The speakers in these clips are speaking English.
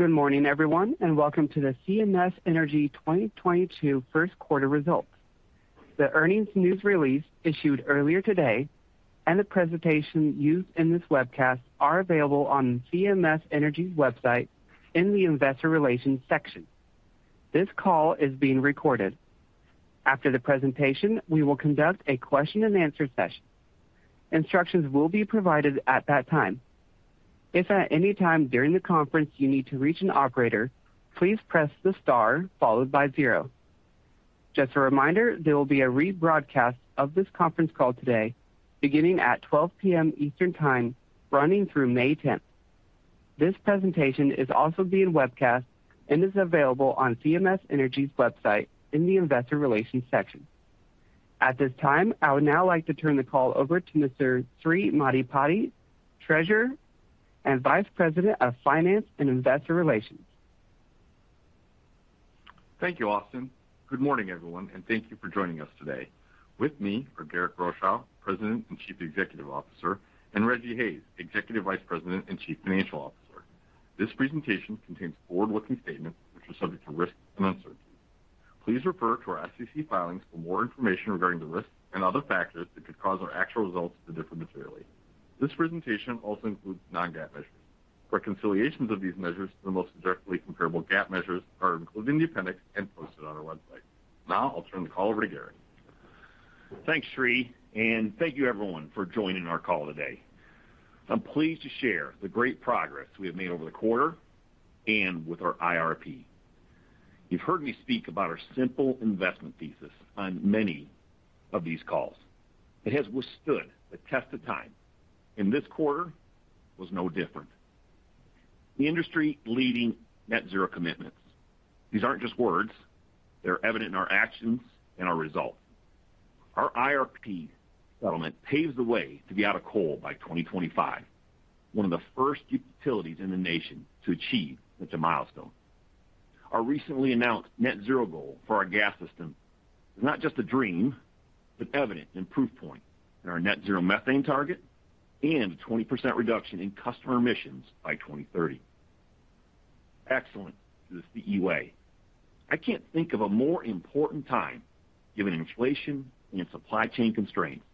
Good morning, everyone, and welcome to the CMS Energy 2022 first quarter results. The earnings news release issued earlier today and the presentation used in this webcast are available on CMS Energy website in the Investor Relations section. This call is being recorded. After the presentation, we will conduct a question-and-answer session. Instructions will be provided at that time. If at any time during the conference you need to reach an operator, please press the star followed by zero. Just a reminder, there will be a rebroadcast of this conference call today beginning at 12:00 P.M. Eastern Time, running through May tenth. This presentation is also being webcast and is available on CMS Energy's website in the Investor Relations section. At this time, I would now like to turn the call over to Mr. Sri Maddipati, Treasurer and Vice President of Finance and Investor Relations. Thank you, Austin. Good morning, everyone, and thank you for joining us today. With me are Garrick Rochow, President and Chief Executive Officer, and Rejji Hayes, Executive Vice President and Chief Financial Officer. This presentation contains forward-looking statements which are subject to risks and uncertainties. Please refer to our SEC filings for more information regarding the risks and other factors that could cause our actual results to differ materially. This presentation also includes non-GAAP measures. Reconciliations of these measures to the most directly comparable GAAP measures are included in the appendix and posted on our website. Now I'll turn the call over to Garrick. Thanks, Sri, and thank you everyone for joining our call today. I'm pleased to share the great progress we have made over the quarter and with our IRP. You've heard me speak about our simple investment thesis on many of these calls. It has withstood the test of time, and this quarter was no different. The industry-leading net zero commitments. These aren't just words, they're evident in our actions and our results. Our IRP settlement paves the way to be out of coal by 2025, one of the first utilities in the nation to achieve such a milestone. Our recently announced net zero goal for our gas system is not just a dream, but evident and proof point in our net zero methane target and a 20% reduction in customer emissions by 2030. Excellent through the CEW. I can't think of a more important time, given inflation and supply chain constraints,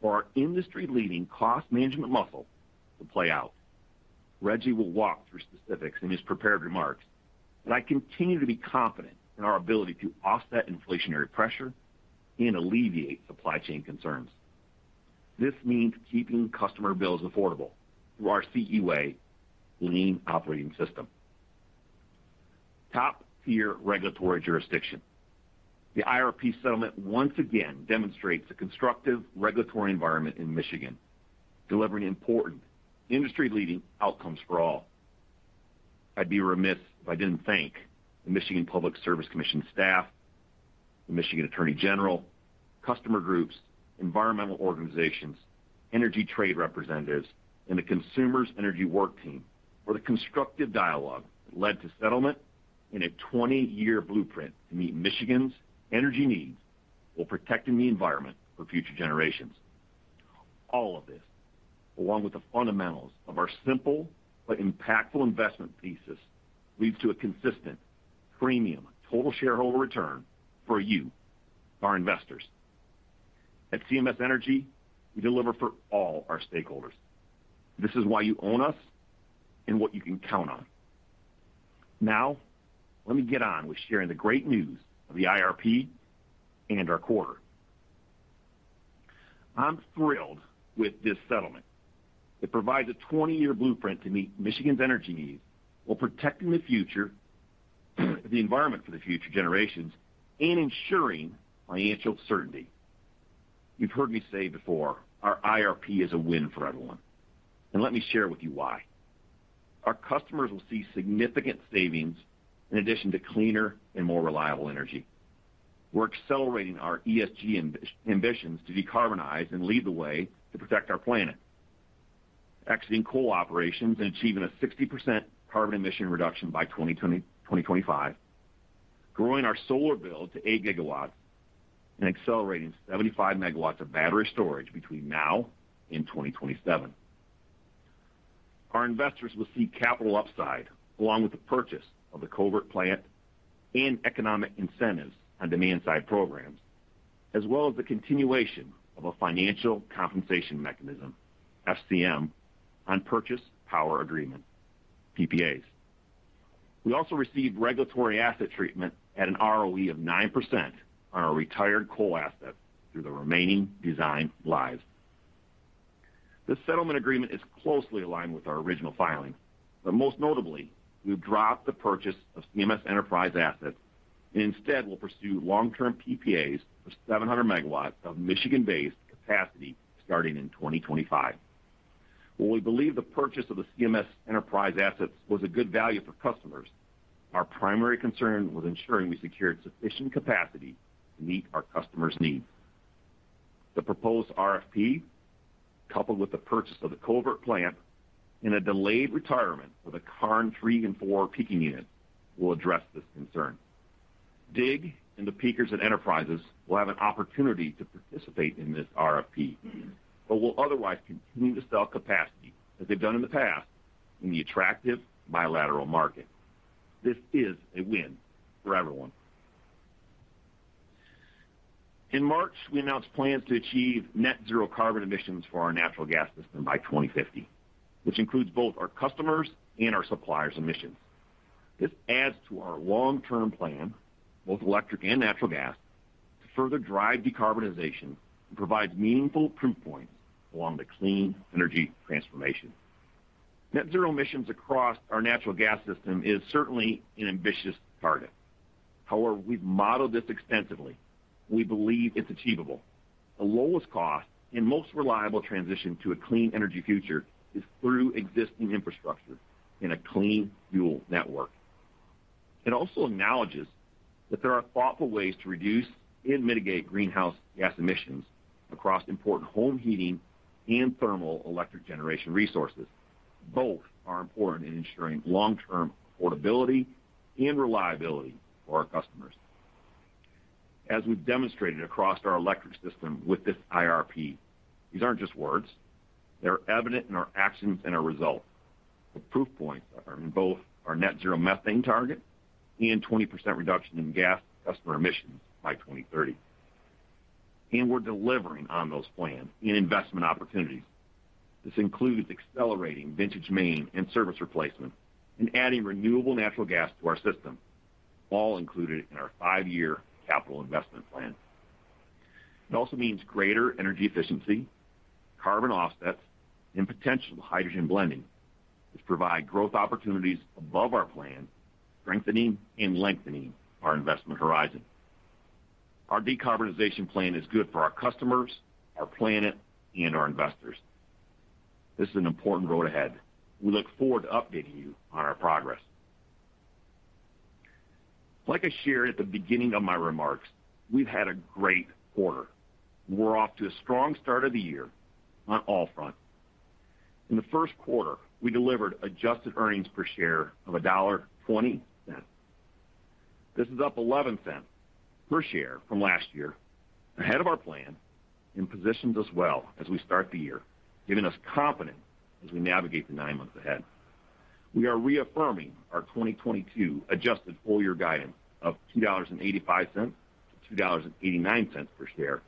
for our industry-leading cost management muscle to play out. Rejji will walk through specifics in his prepared remarks, but I continue to be confident in our ability to offset inflationary pressure and alleviate supply chain concerns. This means keeping customer bills affordable through our CEW lean operating system. Top-tier regulatory jurisdiction. The IRP settlement once again demonstrates a constructive regulatory environment in Michigan, delivering important industry-leading outcomes for all. I'd be remiss if I didn't thank the Michigan Public Service Commission staff, the Michigan Attorney General, customer groups, environmental organizations, energy trade representatives, and the Consumers Energy Work Team for the constructive dialogue that led to settlement in a 20-year blueprint to meet Michigan's energy needs while protecting the environment for future generations. All of this, along with the fundamentals of our simple but impactful investment thesis, leads to a consistent premium total shareholder return for you, our investors. At CMS Energy, we deliver for all our stakeholders. This is why you own us and what you can count on. Now, let me get on with sharing the great news of the IRP and our quarter. I'm thrilled with this settlement. It provides a 20-year blueprint to meet Michigan's energy needs while protecting the future, the environment for the future generations and ensuring financial certainty. You've heard me say before, our IRP is a win for everyone, and let me share with you why. Our customers will see significant savings in addition to cleaner and more reliable energy. We're accelerating our ESG ambitions to decarbonize and lead the way to protect our planet, exiting coal operations and achieving a 60% carbon emission reduction by 2025, growing our solar build to 8 GW, and accelerating 75 MW of battery storage between now and 2027. Our investors will see capital upside along with the purchase of the Covert Plant and economic incentives on demand-side programs, as well as the continuation of a financial compensation mechanism, FCM, on power purchase agreements, PPAs. We also received regulatory asset treatment at an ROE of 9% on our retired coal assets through the remaining design lives. This settlement agreement is closely aligned with our original filing, but most notably, we've dropped the purchase of CMS Enterprises assets, and instead we'll pursue long-term PPAs of 700 MW of Michigan-based capacity starting in 2025. While we believe the purchase of the CMS Enterprises assets was a good value for customers, our primary concern was ensuring we secured sufficient capacity to meet our customers' needs. The proposed RFP, coupled with the purchase of the Covert Plant and a delayed retirement of the Karn 3 and 4 peaking unit, will address this concern. DIG and the peakers and Enterprises will have an opportunity to participate in this RFP, but will otherwise continue to sell capacity as they've done in the past in the attractive bilateral market. This is a win for everyone. In March, we announced plans to achieve net zero carbon emissions for our natural gas system by 2050, which includes both our customers and our suppliers' emissions. This adds to our long-term plan, both electric and natural gas, to further drive decarbonization and provide meaningful proof points along the clean energy transformation. Net zero emissions across our natural gas system is certainly an ambitious target. However, we've modeled this extensively. We believe it's achievable. The lowest cost and most reliable transition to a clean energy future is through existing infrastructure in a clean fuel network. It also acknowledges that there are thoughtful ways to reduce and mitigate greenhouse gas emissions across important home heating and thermal electric generation resources. Both are important in ensuring long-term affordability and reliability for our customers. As we've demonstrated across our electric system with this IRP, these aren't just words. They're evident in our actions and our results. The proof points are in both our net zero methane target and 20% reduction in gas customer emissions by 2030. We're delivering on those plans and investment opportunities. This includes accelerating vintage main and service replacement and adding renewable natural gas to our system, all included in our five-year capital investment plan. It also means greater energy efficiency, carbon offsets, and potential hydrogen blending, which provide growth opportunities above our plan, strengthening and lengthening our investment horizon. Our decarbonization plan is good for our customers, our planet, and our investors. This is an important road ahead. We look forward to updating you on our progress. Like I shared at the beginning of my remarks, we've had a great quarter. We're off to a strong start of the year on all fronts. In the first quarter, we delivered adjusted earnings per share of $1.20. This is up 11 cents per share from last year, ahead of our plan, and positions us well as we start the year, giving us confidence as we navigate the nine months ahead. We are reaffirming our 2022 adjusted full-year guidance of $2.85-$2.89 per share,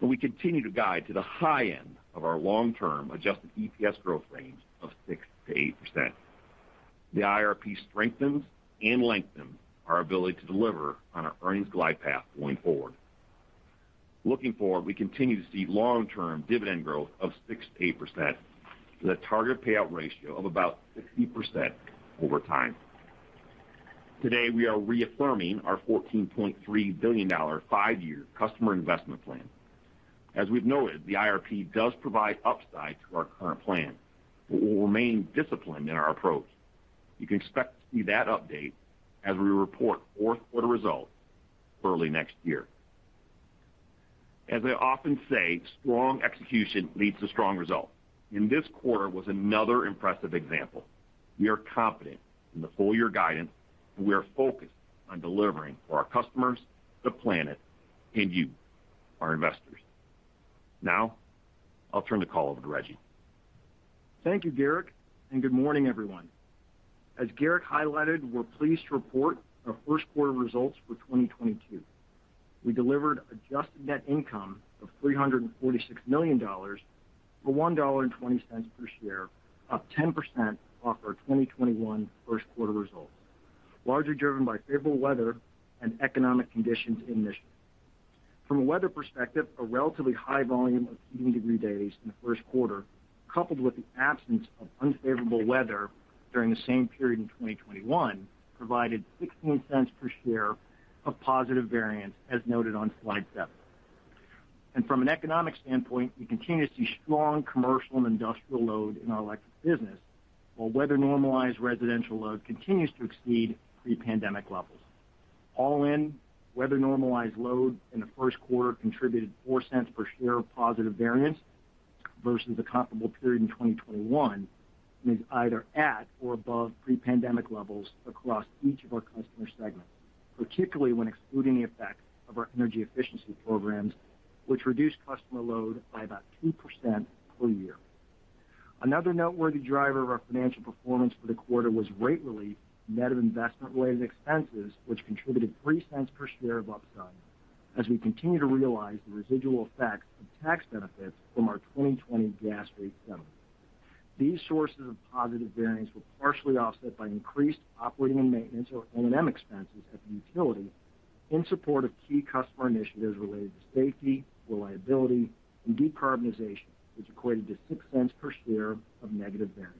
and we continue to guide to the high end of our long-term adjusted EPS growth range of 6%-8%. The IRP strengthens and lengthens our ability to deliver on our earnings glide path going forward. Looking forward, we continue to see long-term dividend growth of 6%-8% with a target payout ratio of about 60% over time. Today, we are reaffirming our $14.3 billion five-year customer investment plan. As we've noted, the IRP does provide upside to our current plan, but we'll remain disciplined in our approach. You can expect to see that update as we report fourth quarter results early next year. As I often say, strong execution leads to strong results, and this quarter was another impressive example. We are confident in the full-year guidance, and we are focused on delivering for our customers, the planet, and you, our investors. Now, I'll turn the call over to Rejji. Thank you, Garrick, and good morning, everyone. As Garrick highlighted, we're pleased to report our first quarter results for 2022. We delivered adjusted net income of $346 million, or $1.20 per share, up 10% from our 2021 first quarter results, largely driven by favorable weather and economic conditions in Michigan. From a weather perspective, a relatively high volume of heating degree days in the first quarter, coupled with the absence of unfavorable weather during the same period in 2021, provided $0.16 per share of positive variance as noted on slide seven. From an economic standpoint, we continue to see strong commercial and industrial load in our electric business, while weather-normalized residential load continues to exceed pre-pandemic levels. All in, weather-normalized load in the first quarter contributed four cents per share of positive variance versus the comparable period in 2021 and is either at or above pre-pandemic levels across each of our customer segments, particularly when excluding the effects of our energy efficiency programs, which reduce customer load by about 2% per year. Another noteworthy driver of our financial performance for the quarter was rate relief net of investment-related expenses, which contributed three cents per share of upside as we continue to realize the residual effects of tax benefits from our 2020 gas rate settlement. These sources of positive variance were partially offset by increased operating and maintenance or O&M expenses at the utility in support of key customer initiatives related to safety, reliability, and decarbonization, which equated to six cents per share of negative variance.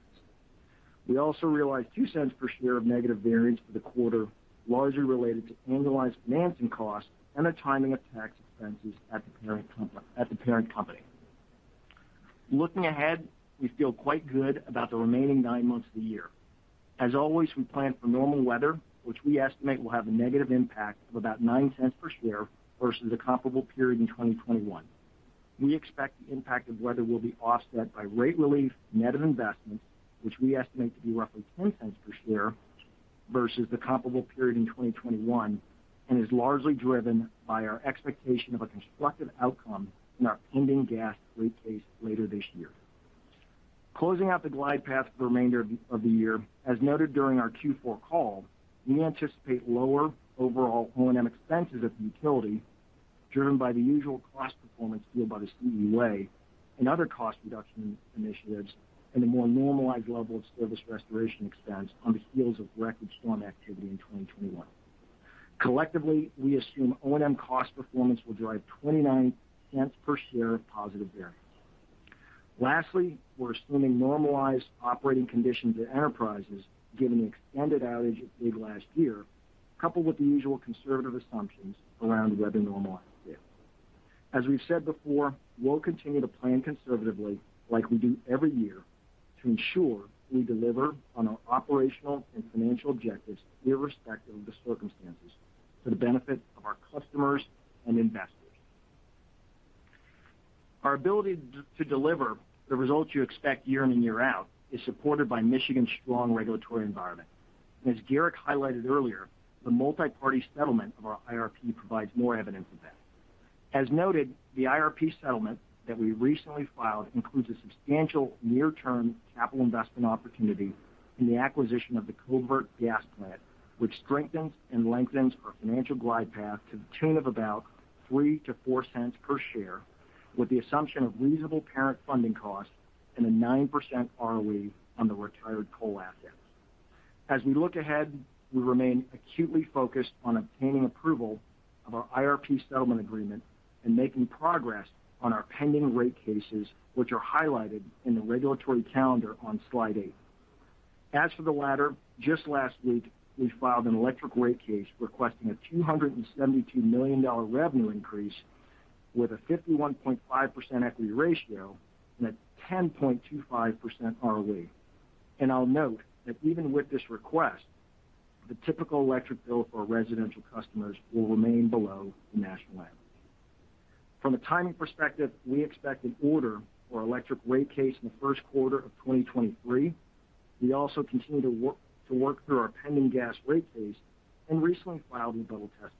We also realized $0.02 per share of negative variance for the quarter, largely related to annualized financing costs and the timing of tax expenses at the parent company. Looking ahead, we feel quite good about the remaining nine months of the year. As always, we plan for normal weather, which we estimate will have a negative impact of about $0.09 per share versus the comparable period in 2021. We expect the impact of weather will be offset by rate relief net of investment, which we estimate to be roughly $0.10 per share versus the comparable period in 2021, and is largely driven by our expectation of a constructive outcome in our pending gas rate case later this year. Closing out the glide path for the remainder of the year, as noted during our Q4 call, we anticipate lower overall O&M expenses at the utility, driven by the usual cost performance field by the CE Way and other cost reduction initiatives, and a more normalized level of service restoration expense on the heels of record storm activity in 2021. Collectively, we assume O&M cost performance will drive $0.29 per share of positive variance. Lastly, we're assuming normalized operating conditions at Enterprises given the extended outage it did last year, coupled with the usual conservative assumptions around weather normalization. As we've said before, we'll continue to plan conservatively like we do every year to ensure we deliver on our operational and financial objectives irrespective of the circumstances for the benefit of our customers and investors. Our ability to deliver the results you expect year in and year out is supported by Michigan's strong regulatory environment. As Garrick highlighted earlier, the multi-party settlement of our IRP provides more evidence of that. As noted, the IRP settlement that we recently filed includes a substantial near-term capital investment opportunity in the acquisition of the Karn gas plant, which strengthens and lengthens our financial glide path to the tune of about $0.03-$0.04 per share, with the assumption of reasonable parent funding costs and a 9% ROE on the retired coal assets. As we look ahead, we remain acutely focused on obtaining approval of our IRP settlement agreement and making progress on our pending rate cases, which are highlighted in the regulatory calendar on slide eight. As for the latter, just last week, we filed an electric rate case requesting a $272 million revenue increase with a 51.5 equity ratio and a 10.25% ROE. I'll note that even with this request, the typical electric bill for residential customers will remain below the national average. From a timing perspective, we expect an order for electric rate case in the first quarter of 2023. We also continue to work through our pending gas rate case and recently filed rebuttal testimony.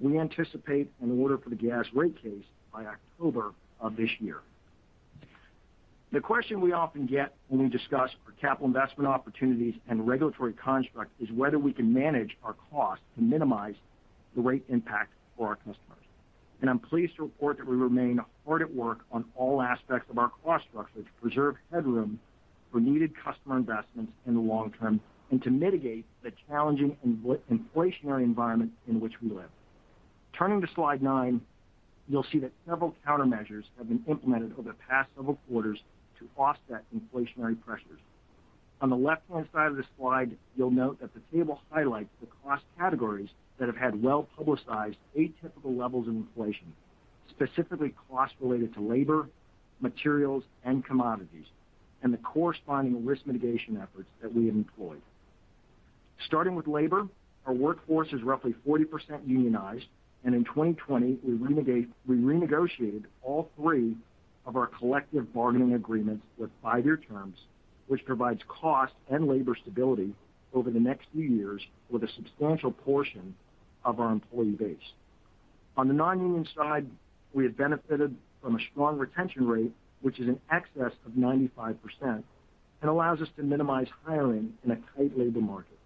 We anticipate an order for the gas rate case by October of this year. The question we often get when we discuss our capital investment opportunities and regulatory construct is whether we can manage our costs to minimize the rate impact for our customers. I'm pleased to report that we remain hard at work on all aspects of our cost structure to preserve headroom for needed customer investments in the long term and to mitigate the challenging and inflationary environment in which we live. Turning to slide nine, you'll see that several countermeasures have been implemented over the past several quarters to offset inflationary pressures. On the left-hand side of the slide, you'll note that the table highlights the cost categories that have had well-publicized atypical levels of inflation, specifically costs related to labor, materials, and commodities, and the corresponding risk mitigation efforts that we have employed. Starting with labor, our workforce is roughly 40% unionized, and in 2020, we renegotiated all three of our collective bargaining agreements with five-year terms, which provides cost and labor stability over the next few years with a substantial portion of our employee base. On the non-union side, we have benefited from a strong retention rate, which is in excess of 95% and allows us to minimize hiring in a tight labor market.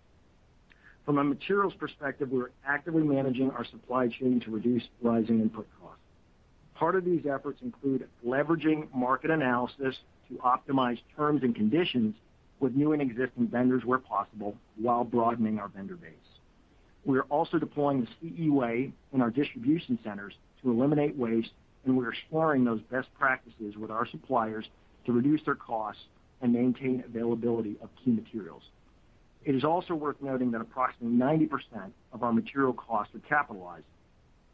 From a materials perspective, we're actively managing our supply chain to reduce rising input costs. Part of these efforts include leveraging market analysis to optimize terms and conditions with new and existing vendors where possible while broadening our vendor base. We are also deploying the CE Way in our distribution centers to eliminate waste, and we're exploring those best practices with our suppliers to reduce their costs and maintain availability of key materials. It is also worth noting that approximately 90% of our material costs are capitalized,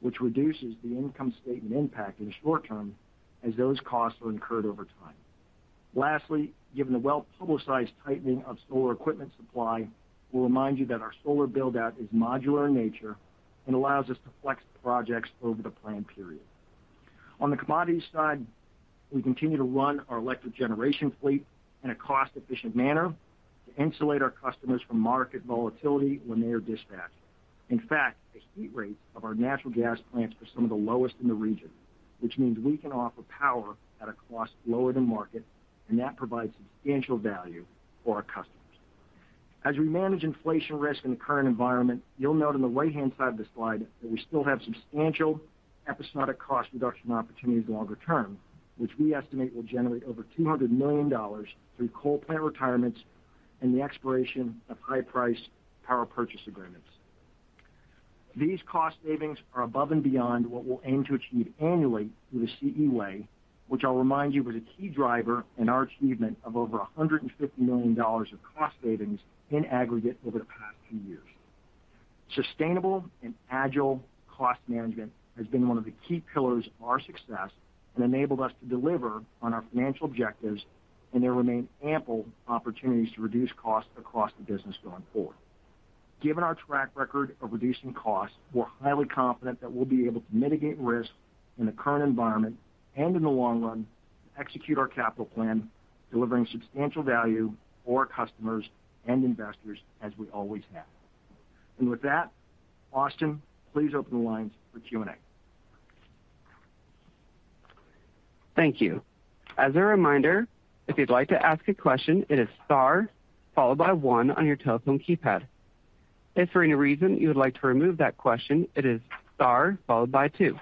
which reduces the income statement impact in the short term as those costs are incurred over time. Lastly, given the well-publicized tightening of solar equipment supply, we'll remind you that our solar build-out is modular in nature and allows us to flex the projects over the planned period. On the commodity side, we continue to run our electric generation fleet in a cost-efficient manner to insulate our customers from market volatility when they are dispatched. In fact, the heat rates of our natural gas plants are some of the lowest in the region, which means we can offer power at a cost lower than market, and that provides substantial value for our customers. As we manage inflation risk in the current environment, you'll note on the right-hand side of the slide that we still have substantial episodic cost reduction opportunities longer term, which we estimate will generate over $200 million through coal plant retirements and the expiration of high-priced power purchase agreements. These cost savings are above and beyond what we'll aim to achieve annually through the CE Way, which I'll remind you was a key driver in our achievement of over $150 million of cost savings in aggregate over the past few years. Sustainable and agile cost management has been one of the key pillars of our success and enabled us to deliver on our financial objectives, and there remain ample opportunities to reduce costs across the business going forward. Given our track record of reducing costs, we're highly confident that we'll be able to mitigate risk in the current environment and in the long run, execute our capital plan, delivering substantial value for our customers and investors as we always have. With that, Austin, please open the lines for Q&A. Thank you. As a reminder, if you'd like to ask a question, it is star followed by one on your telephone keypad. If for any reason you would like to remove that question, it is star followed by two.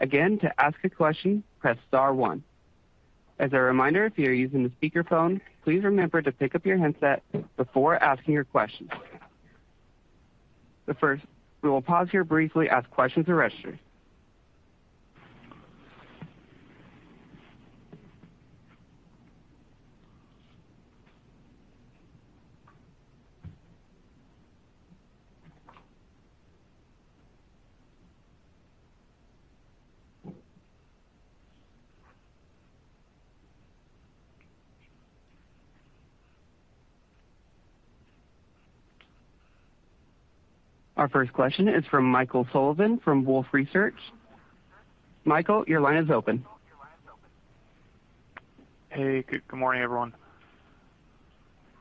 Again, to ask a question, press star one. As a reminder, if you are using the speakerphone, please remember to pick up your handset before asking your question. First, we will pause here briefly as questions are registered. Our first question is from Michael Sullivan from Wolfe Research. Michael, your line is open. Hey, good morning, everyone.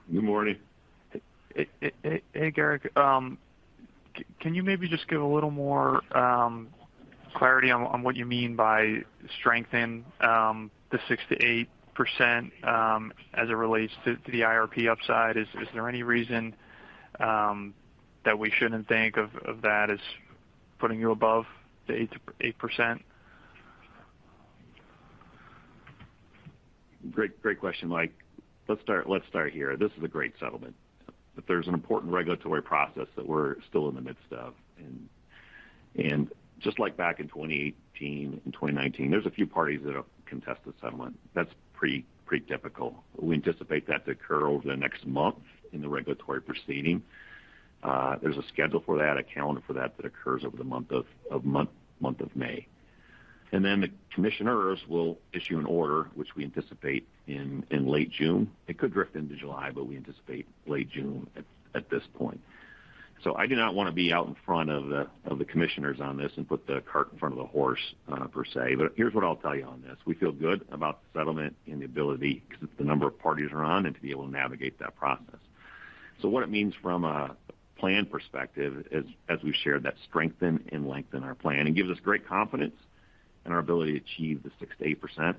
Good morning. Hey, Garrick. Can you maybe just give a little more clarity on what you mean by strengthen the 6%-8% as it relates to the IRP upside? Is there any reason that we shouldn't think of that as putting you above the 8%? Great question, Mike. Let's start here. This is a great settlement, but there's an important regulatory process that we're still in the midst of. Just like back in 2018 and 2019, there's a few parties that have contested settlement. That's pretty typical. We anticipate that to occur over the next month in the regulatory proceeding. There's a schedule for that, a calendar for that occurs over the month of May. Then the commissioners will issue an order, which we anticipate in late June. It could drift into July, but we anticipate late June at this point. I do not want to be out in front of the commissioners on this and put the cart in front of the horse, per se. Here's what I'll tell you on this. We feel good about the settlement and the ability because it's the number of parties around and to be able to navigate that process. What it means from a plan perspective, as we've shared, that strengthen and lengthen our plan. It gives us great confidence in our ability to achieve the 6%-8%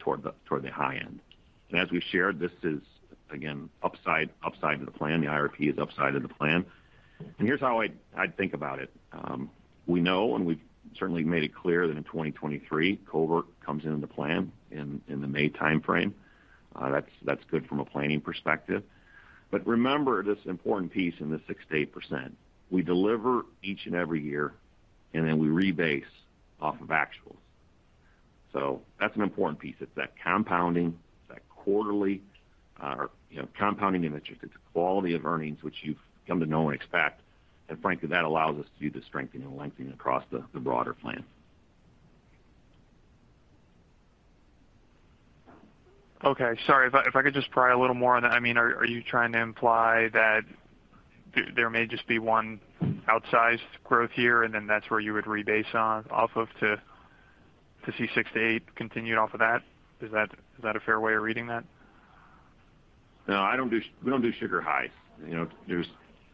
toward the high end. As we've shared, this is again, upside to the plan. The IRP is upside of the plan. Here's how I think about it. We know and we've certainly made it clear that in 2023, Cover comes into plan in the May time frame. That's good from a planning perspective. Remember this important piece in the 6%-8%. We deliver each and every year, and then we rebase off of actuals. That's an important piece. It's that compounding, that quarterly, you know, compounding and it's just, it's quality of earnings, which you've come to know and expect. Frankly, that allows us to do the strengthening and lengthening across the broader plan. Okay, sorry. If I could just pry a little more on that. I mean, are you trying to imply that there may just be one outsized growth here, and then that's where you would rebase off of to see six-eight continued off of that? Is that a fair way of reading that? No, we don't do sugar highs. You know,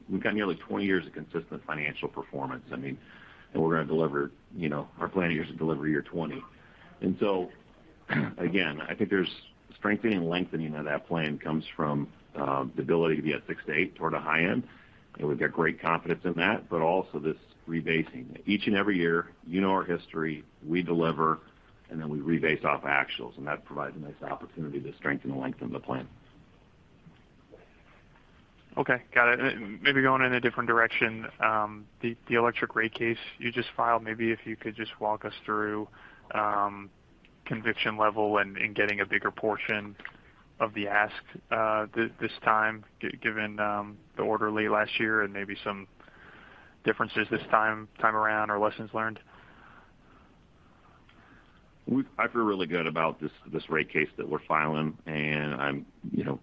we've got nearly 20 years of consistent financial performance. I mean, we're going to deliver, you know, our plan here is to deliver year 20. Again, I think there's strengthening and lengthening of that plan comes from the ability to be at six-eight toward a high end. We've got great confidence in that, but also this rebasing. Each and every year, you know our history, we deliver, and then we rebase off actuals, and that provides a nice opportunity to strengthen the length of the plan. Okay, got it. Maybe going in a different direction. The electric rate case you just filed, maybe if you could just walk us through conviction level and getting a bigger portion of the ask this time, given the order late last year and maybe some differences this time around or lessons learned. I feel really good about this rate case that we're filing, and I'm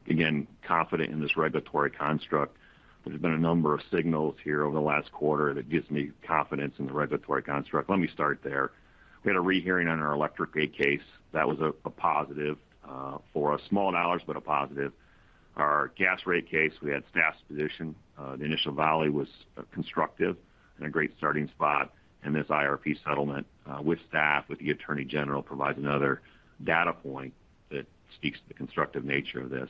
again confident in this regulatory construct. There's been a number of signals here over the last quarter that gives me confidence in the regulatory construct. Let me start there. We had a rehearing on our electric rate case. That was a positive for small dollars, but a positive. Our gas rate case, we had staff's position. The initial volley was constructive and a great starting spot. This IRP settlement with staff, with the Attorney General, provides another data point that speaks to the constructive nature of this.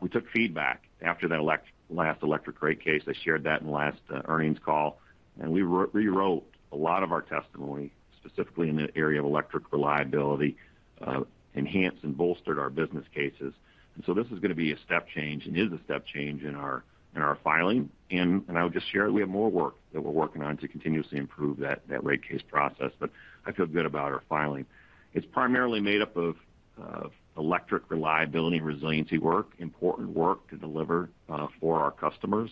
We took feedback after that last electric rate case. I shared that in the last earnings call, and we rewrote a lot of our testimony, specifically in the area of electric reliability, enhanced and bolstered our business cases. This is going to be a step change and is a step change in our filing. I'll just share that we have more work that we're working on to continuously improve that rate case process. I feel good about our filing. It's primarily made up of electric reliability and resiliency work, important work to deliver for our customers.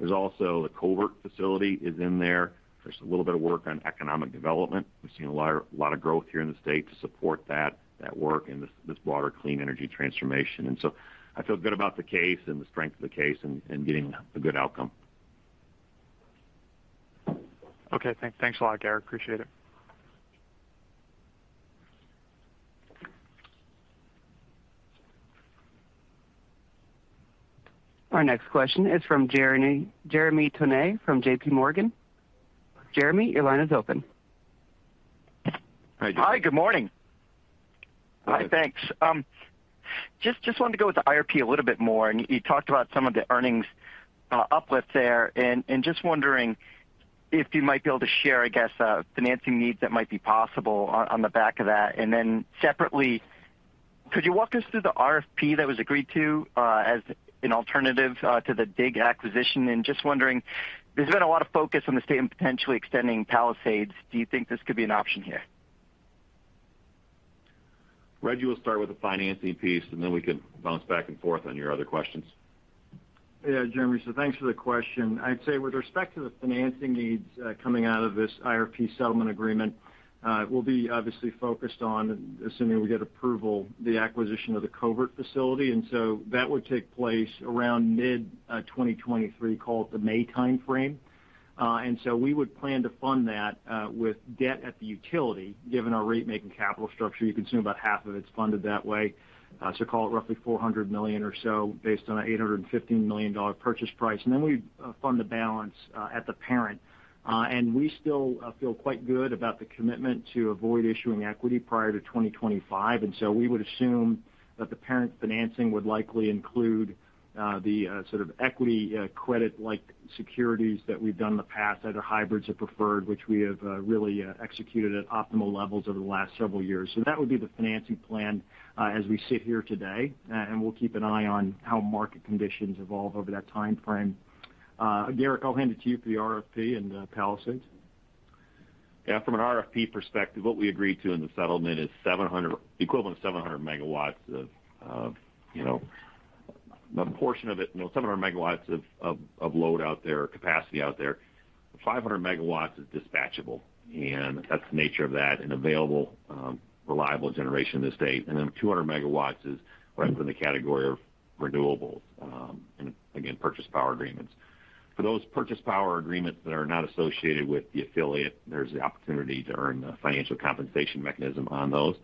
There's also the Covert facility in there. There's a little bit of work on economic development. We've seen a lot of growth here in the state to support that work and this broader clean energy transformation. I feel good about the case and the strength of the case and getting a good outcome. Okay. Thanks a lot, Garrick. Appreciate it. Our next question is from Jeremy Tonet from JPMorgan. Jeremy, your line is open. Hi, good morning. Hi. Thanks. Just wanted to go with the IRP a little bit more. You talked about some of the earnings uplift there and just wondering if you might be able to share, I guess, financing needs that might be possible on the back of that. Then separately, could you walk us through the RFP that was agreed to as an alternative to the DIG acquisition? Just wondering, there's been a lot of focus on the state and potentially extending Palisades. Do you think this could be an option here? Reg, we'll start with the financing piece, and then we can bounce back and forth on your other questions. Yeah. Jeremy, thanks for the question. I'd say with respect to the financing needs, coming out of this IRP settlement agreement, we'll be obviously focused on, assuming we get approval, the acquisition of the Covert facility, that would take place around mid-2023, call it the May time frame. We would plan to fund that with debt at the utility. Given our rate-making capital structure, you consume about half of it's funded that way, so call it roughly $400 million or so based on $815 million-dollar purchase price. Then we fund the balance at the parent. We still feel quite good about the commitment to avoid issuing equity prior to 2025, and so we would assume that the parent financing would likely include the sort of equity credit-like securities that we've done in the past that are hybrids of preferred, which we have really executed at optimal levels over the last several years. That would be the financing plan as we sit here today, and we'll keep an eye on how market conditions evolve over that time frame. Garrick, I'll hand it to you for the RFP and Palisades. Yeah. From an RFP perspective, what we agreed to in the settlement is equivalent of 700 MW of, you know. A portion of it, you know, 700 MW of load out there, capacity out there. 500 MW is dispatchable, and that's the nature of that, an available, reliable generation in the state. Then 200 MW is right from the category of renewables, and again, power purchase agreements. For those power purchase agreements that are not associated with the affiliate, there's the opportunity to earn a financial compensation mechanism on those.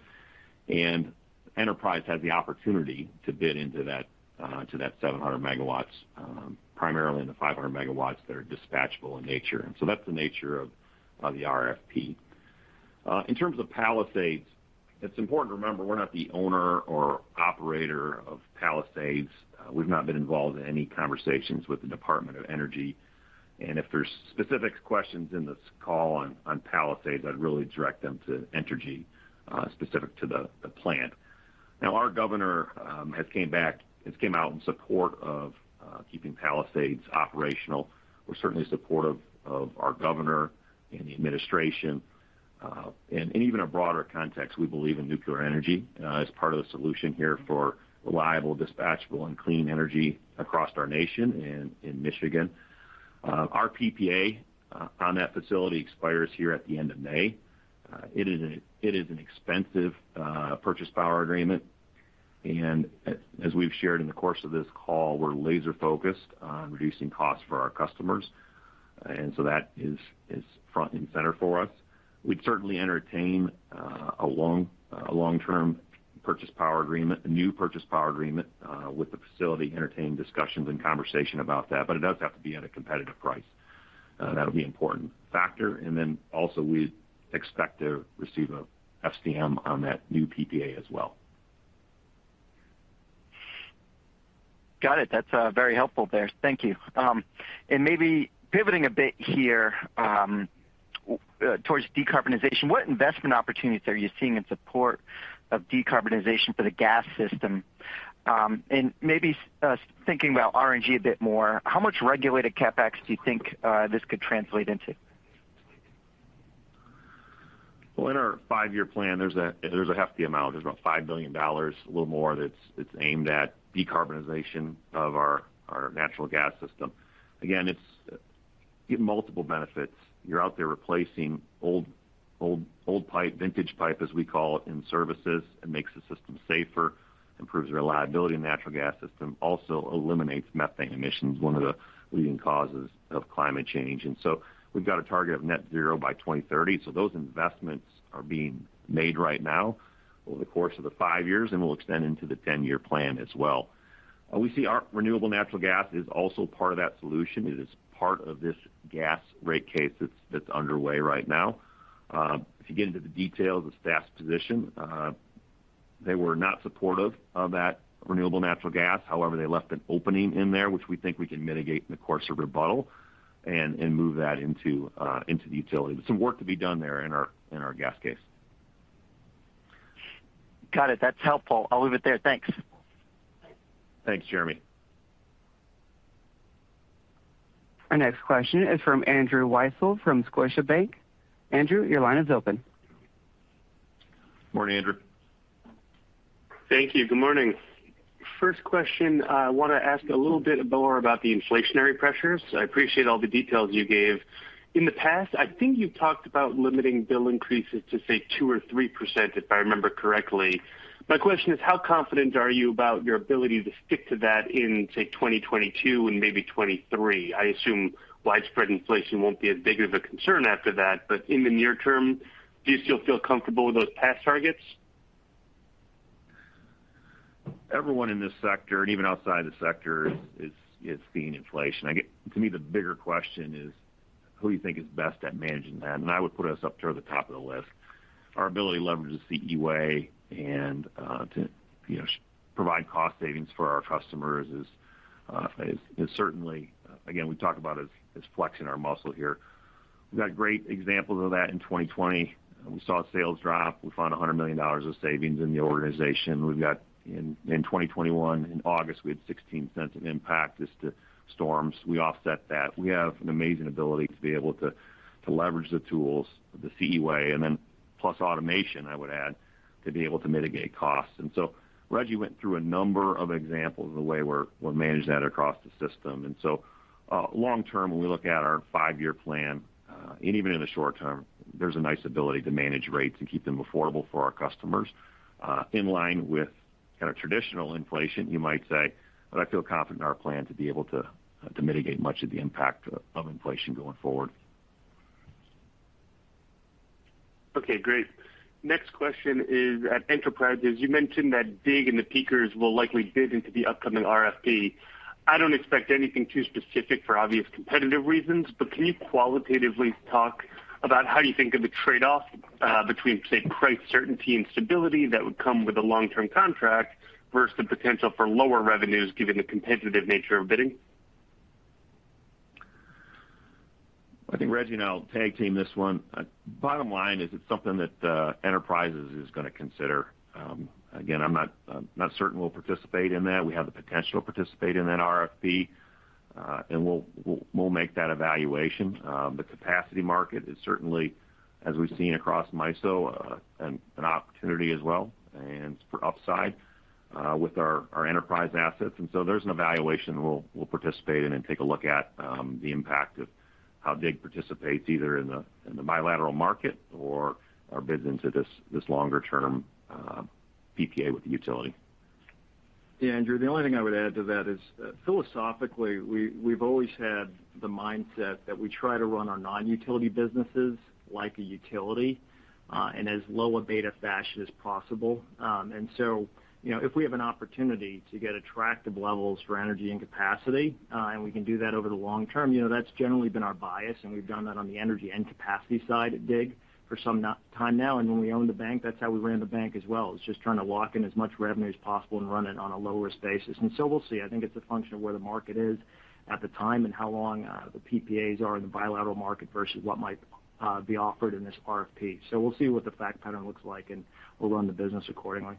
CMS Enterprises has the opportunity to bid into that, to that 700 MW, primarily in the 500 MW that are dispatchable in nature. So that's the nature of the RFP. In terms of Palisades, it's important to remember we're not the owner or operator of Palisades. We've not been involved in any conversations with the Department of Energy. If there's specific questions in this call on Palisades, I'd really direct them to Entergy, specific to the plant. Now, our governor has came out in support of keeping Palisades operational. We're certainly supportive of our governor and the administration. In even a broader context, we believe in nuclear energy as part of the solution here for reliable, dispatchable, and clean energy across our nation and in Michigan. Our PPA on that facility expires here at the end of May. It is an expensive purchase power agreement. As we've shared in the course of this call, we're laser-focused on reducing costs for our customers. That is front and center for us. We'd certainly entertain a long-term power purchase agreement, a new power purchase agreement with the facility, entertain discussions and conversation about that, but it does have to be at a competitive price. That'll be important factor. Also we expect to receive a FCM on that new PPA as well. Got it. That's very helpful there. Thank you. Maybe pivoting a bit here towards decarbonization. What investment opportunities are you seeing in support of decarbonization for the gas system? Maybe thinking about RNG a bit more, how much regulated CapEx do you think this could translate into? Well, in our five-year plan, there's a hefty amount. There's about $5 billion, a little more that's aimed at decarbonization of our natural gas system. Again, it's. You get multiple benefits. You're out there replacing old pipe, vintage pipe, as we call it, in services. It makes the system safer, improves reliability in the natural gas system, also eliminates methane emissions, one of the leading causes of climate change. We've got a target of net zero by 2030, so those investments are being made right now over the course of the five years, and we'll extend into the 10-year plan as well. We see our renewable natural gas is also part of that solution. It is part of this gas rate case that's underway right now. If you get into the details of staff's position, they were not supportive of that renewable natural gas. However, they left an opening in there, which we think we can mitigate in the course of rebuttal and move that into the utility. Some work to be done there in our gas case. Got it. That's helpful. I'll leave it there. Thanks. Thanks, Jeremy. Our next question is from Andrew Weisel from Scotiabank. Andrew, your line is open. Morning, Andrew. Thank you. Good morning. First question, I wanna ask a little bit more about the inflationary pressures. I appreciate all the details you gave. In the past, I think you've talked about limiting bill increases to, say, 2% or 3%, if I remember correctly. My question is how confident are you about your ability to stick to that in, say, 2022 and maybe 2023? I assume widespread inflation won't be as big of a concern after that. In the near term, do you still feel comfortable with those past targets? Everyone in this sector and even outside the sector is seeing inflation. To me, the bigger question is who do you think is best at managing that? I would put us up toward the top of the list. Our ability to leverage the CE Way and to, you know, provide cost savings for our customers is certainly, again, we talk about as flexing our muscle here. We got great examples of that in 2020. We saw sales drop. We found $100 million of savings in the organization. We've got in 2021, in August, we had $0.16 of impact just due to storms. We offset that. We have an amazing ability to leverage the tools, the CE Way, and then plus automation, I would add, to mitigate costs. Rejji went through a number of examples of the way we manage that across the system. Long term, when we look at our five-year plan, and even in the short term, there's a nice ability to manage rates and keep them affordable for our customers, in line with kind of traditional inflation, you might say. I feel confident in our plan to be able to mitigate much of the impact of inflation going forward. Okay, great. Next question is at Enterprises. You mentioned that DIG and the Peakers will likely bid into the upcoming RFP. I don't expect anything too specific for obvious competitive reasons, but can you qualitatively talk about how you think of the trade-off between, say, price certainty and stability that would come with a long-term contract versus the potential for lower revenues given the competitive nature of bidding? I think Rejji and I will tag team this one. Bottom line is it's something that Enterprises is going to consider. Again, I'm not certain we'll participate in that. We have the potential to participate in that RFP, and we'll make that evaluation. The capacity market is certainly, as we've seen across MISO, an opportunity as well, and for upside, with our Enterprise assets. There's an evaluation we'll participate in and take a look at the impact of how DIG participates either in the bilateral market or our bids into this longer-term PPA with the utility. Yeah, Andrew, the only thing I would add to that is, philosophically, we've always had the mindset that we try to run our non-utility businesses like a utility, and as low a beta fashion as possible. You know, if we have an opportunity to get attractive levels for energy and capacity, and we can do that over the long term, you know, that's generally been our bias, and we've done that on the energy and capacity side at DIG for some time now. When we owned the bank, that's how we ran the bank as well. It's just trying to lock in as much revenue as possible and run it on a lower basis. We'll see. I think it's a function of where the market is at the time and how long the PPAs are in the bilateral market versus what might be offered in this RFP. We'll see what the fact pattern looks like, and we'll run the business accordingly.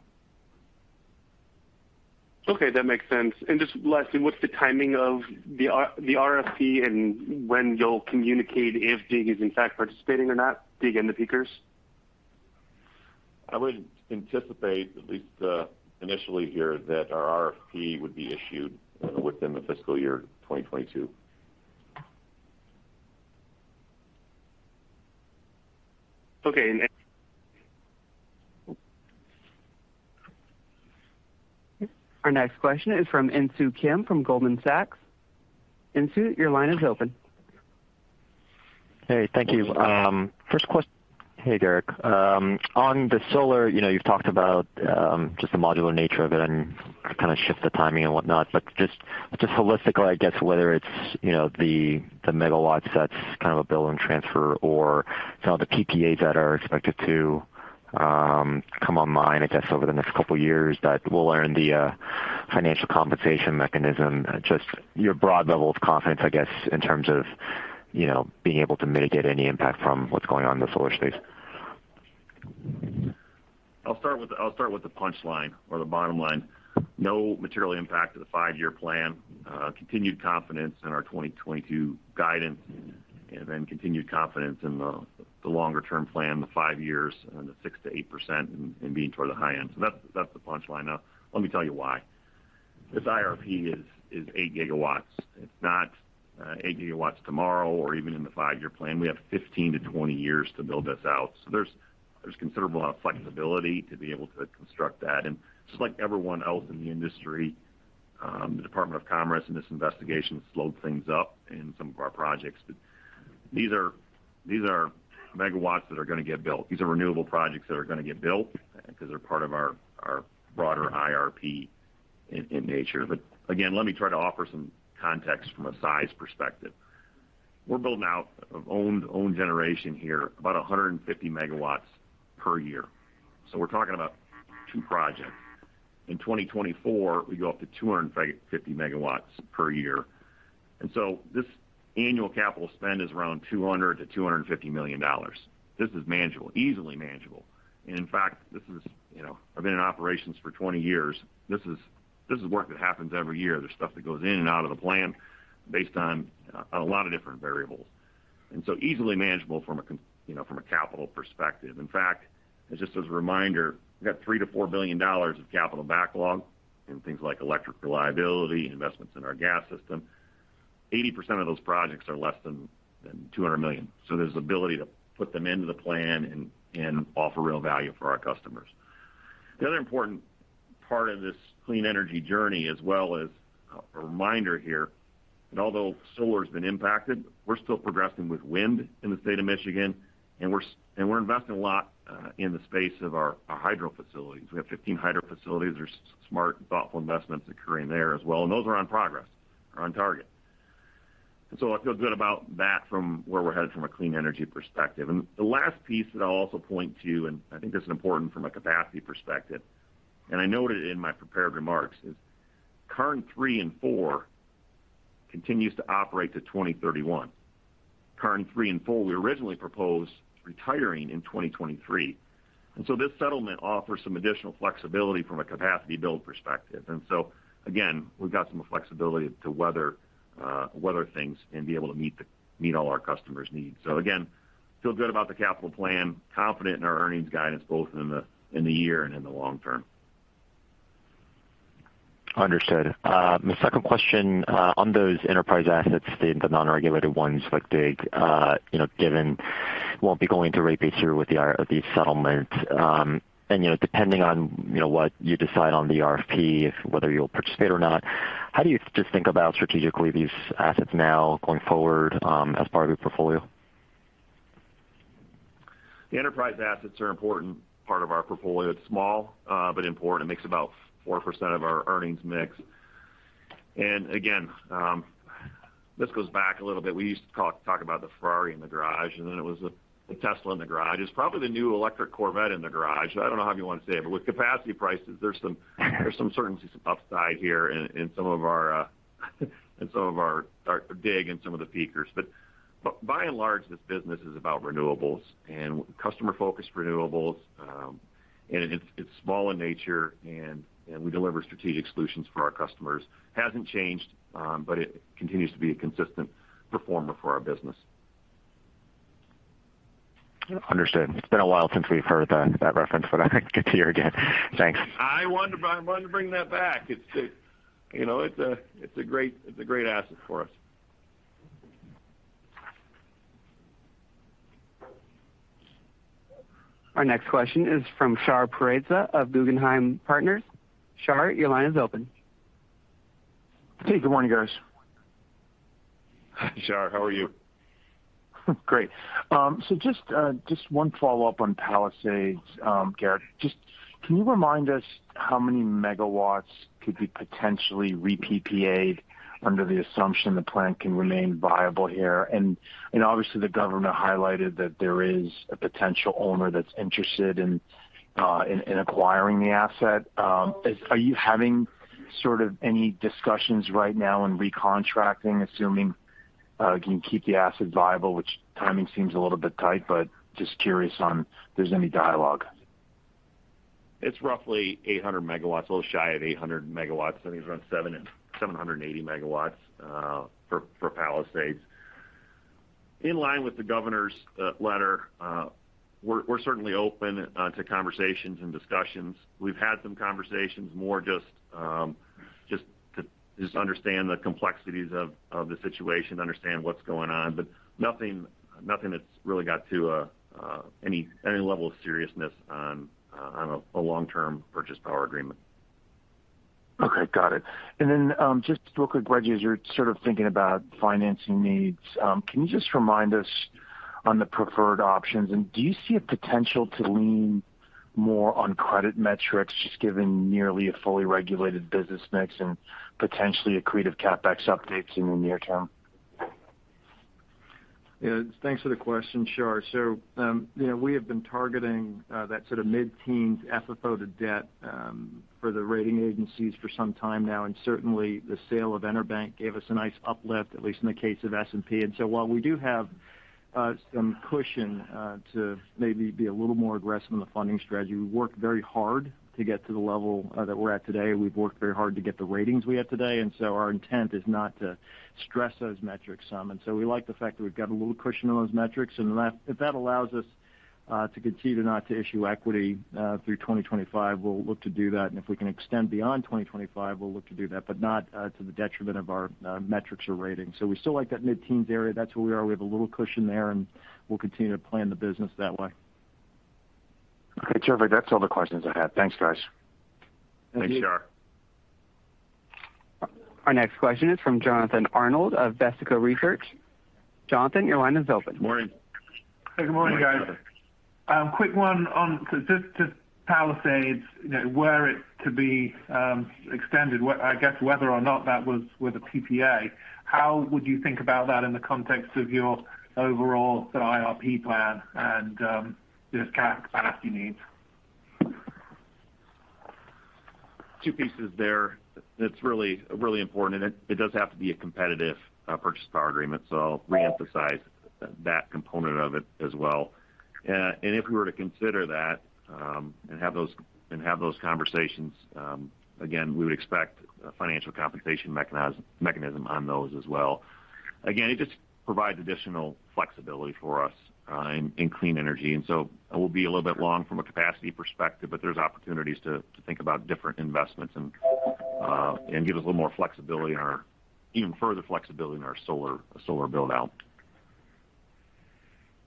Okay, that makes sense. Just lastly, what's the timing of the RFP and when you'll communicate if DIG is in fact participating or not, DIG and the Peakers? I would anticipate, at least, initially here, that our RFP would be issued within the fiscal year 2022. Okay. Our next question is from Insoo Kim from Goldman Sachs. Insoo, your line is open. Hey, thank you. Hey, Garrick Rochow. On the solar, you know, you've talked about just the modular nature of it and kind of shift the timing and whatnot. Just holistically, I guess, whether it's, you know, the megawatts that's kind of a build and transfer or some of the PPAs that are expected to come online, I guess, over the next couple of years that will earn the financial compensation mechanism, just your broad level of confidence, I guess, in terms of, you know, being able to mitigate any impact from what's going on in the solar space. I'll start with the punchline or the bottom line. No material impact to the five-year plan. Continued confidence in our 2022 guidance and then continued confidence in the longer-term plan, the five years and the 6%-8% and being toward the high end. That's the punchline. Now, let me tell you why. This IRP is 8 GW. It's not 8 GW tomorrow or even in the five-year plan. We have 15-20 years to build this out. There's considerable amount of flexibility to be able to construct that. Just like everyone else in the industry, the Department of Commerce and this investigation slowed things up in some of our projects. These are megawatts that are going to get built. These are renewable projects that are going to get built because they're part of our broader IRP in nature. Again, let me try to offer some context from a size perspective. We're building out owned generation here about 150 MW per year. We're talking about two projects. In 2024, we go up to 250 MW per year. This annual capital spend is around $200 million-$250 million. This is manageable, easily manageable. In fact, this is, you know, I've been in operations for 20 years. This is work that happens every year. There's stuff that goes in and out of the plan based on a lot of different variables, and so easily manageable from a capital perspective. In fact, just as a reminder, we got $3 billion-$4 billion of capital backlog in things like electric reliability, investments in our gas system. 80% of those projects are less than $200 million. There's ability to put them into the plan and offer real value for our customers. The other important part of this clean energy journey, as well as a reminder here, that although solar has been impacted, we're still progressing with wind in the state of Michigan, and we're investing a lot in the space of our hydro facilities. We have 15 hydro facilities. There's smart, thoughtful investments occurring there as well, and those are in progress. They're on target. I feel good about that from where we're headed from a clean energy perspective. The last piece that I'll also point to, and I think this is important from a capacity perspective, and I noted in my prepared remarks, is Karn 3 and 4 continues to operate to 2031. Karn 3 and 4, we originally proposed retiring in 2023. This settlement offers some additional flexibility from a capacity build perspective. Again, we've got some flexibility to weather things and be able to meet all our customers' needs. Again, feel good about the capital plan, confident in our earnings guidance, both in the year and in the long term. Understood. My second question on those enterprise assets, the non-regulated ones, like, you know, given they won't be going to rate base here with these settlements, and, you know, depending on, you know, what you decide on the RFP, whether you'll participate or not, how do you just think about strategically these assets now going forward as part of your portfolio? The enterprise assets are an important part of our portfolio. It's small, but important. It makes about 4% of our earnings mix. Again, this goes back a little bit. We used to talk about the Ferrari in the garage, and then it was the Tesla in the garage. It's probably the new electric Corvette in the garage. I don't know how you want to say it, but with capacity prices, there's some certain pieces of upside here in some of our DIG and some of the peakers. By and large, this business is about renewables and customer-focused renewables. It's small in nature and we deliver strategic solutions for our customers. Hasn't changed, but it continues to be a consistent performer for our business. Understood. It's been a while since we've heard that reference, but I'm glad to hear again. Thanks. I wanted to bring that back. It's, you know, it's a great asset for us. Our next question is from Shar Pourreza of Guggenheim Partners. Shar, your line is open. Hey, good morning, guys. Hi, Shar. How are you? Great. Just one follow-up on Palisades, Garrick. Just can you remind us how many megawatts could be potentially re-PPA'd under the assumption the plant can remain viable here? And obviously, the government highlighted that there is a potential owner that's interested in acquiring the asset. Are you having sort of any discussions right now in recontracting, assuming you can keep the asset viable, which timing seems a little bit tight, but just curious if there's any dialogue. It's roughly 800 MW, a little shy of 800 MW. I think it's around 780 MW for Palisades. In line with the governor's letter, we're certainly open to conversations and discussions. We've had some conversations more just to understand the complexities of the situation, understand what's going on, but nothing that's really got to any level of seriousness on a long-term power purchase agreement. Okay. Got it. Just real quick, Rejji, as you're sort of thinking about financing needs, can you just remind us on the preferred options, and do you see a potential to lean more on credit metrics, just given nearly a fully regulated business mix and potentially accretive CapEx updates in the near term? Yeah. Thanks for the question, Shar. We have been targeting that sort of mid-teens FFO to debt for the rating agencies for some time now, and certainly the sale of EnerBank gave us a nice uplift, at least in the case of S&P. While we do have some cushion to maybe be a little more aggressive in the funding strategy, we worked very hard to get to the level that we're at today. We've worked very hard to get the ratings we have today, and our intent is not to stress those metrics some. We like the fact that we've got a little cushion on those metrics. That if that allows us to continue not to issue equity through 2025, we'll look to do that. If we can extend beyond 2025, we'll look to do that, but not to the detriment of our metrics or ratings. We still like that mid-teens area. That's where we are. We have a little cushion there, and we'll continue to plan the business that way. Okay. Terrific. That's all the questions I had. Thanks, guys. Thank you. Thanks, Shar. Our next question is from Jonathan Arnold of Vertical Research. Jonathan, your line is open. Morning. Morning, Jonathan. Hey, good morning, guys. Quick one on Palisades, you know, were it to be extended, I guess whether or not that was with a PPA, how would you think about that in the context of your overall sort of IRP plan and just capacity needs? Two pieces there. It's really, really important, and it does have to be a competitive power purchase agreement, so I'll reemphasize that component of it as well. If we were to consider that and have those conversations, again, we would expect a financial compensation mechanism on those as well. Again, it just provides additional flexibility for us in clean energy. It will be a little bit long from a capacity perspective, but there's opportunities to think about different investments and give us a little more flexibility in our even further flexibility in our solar build-out.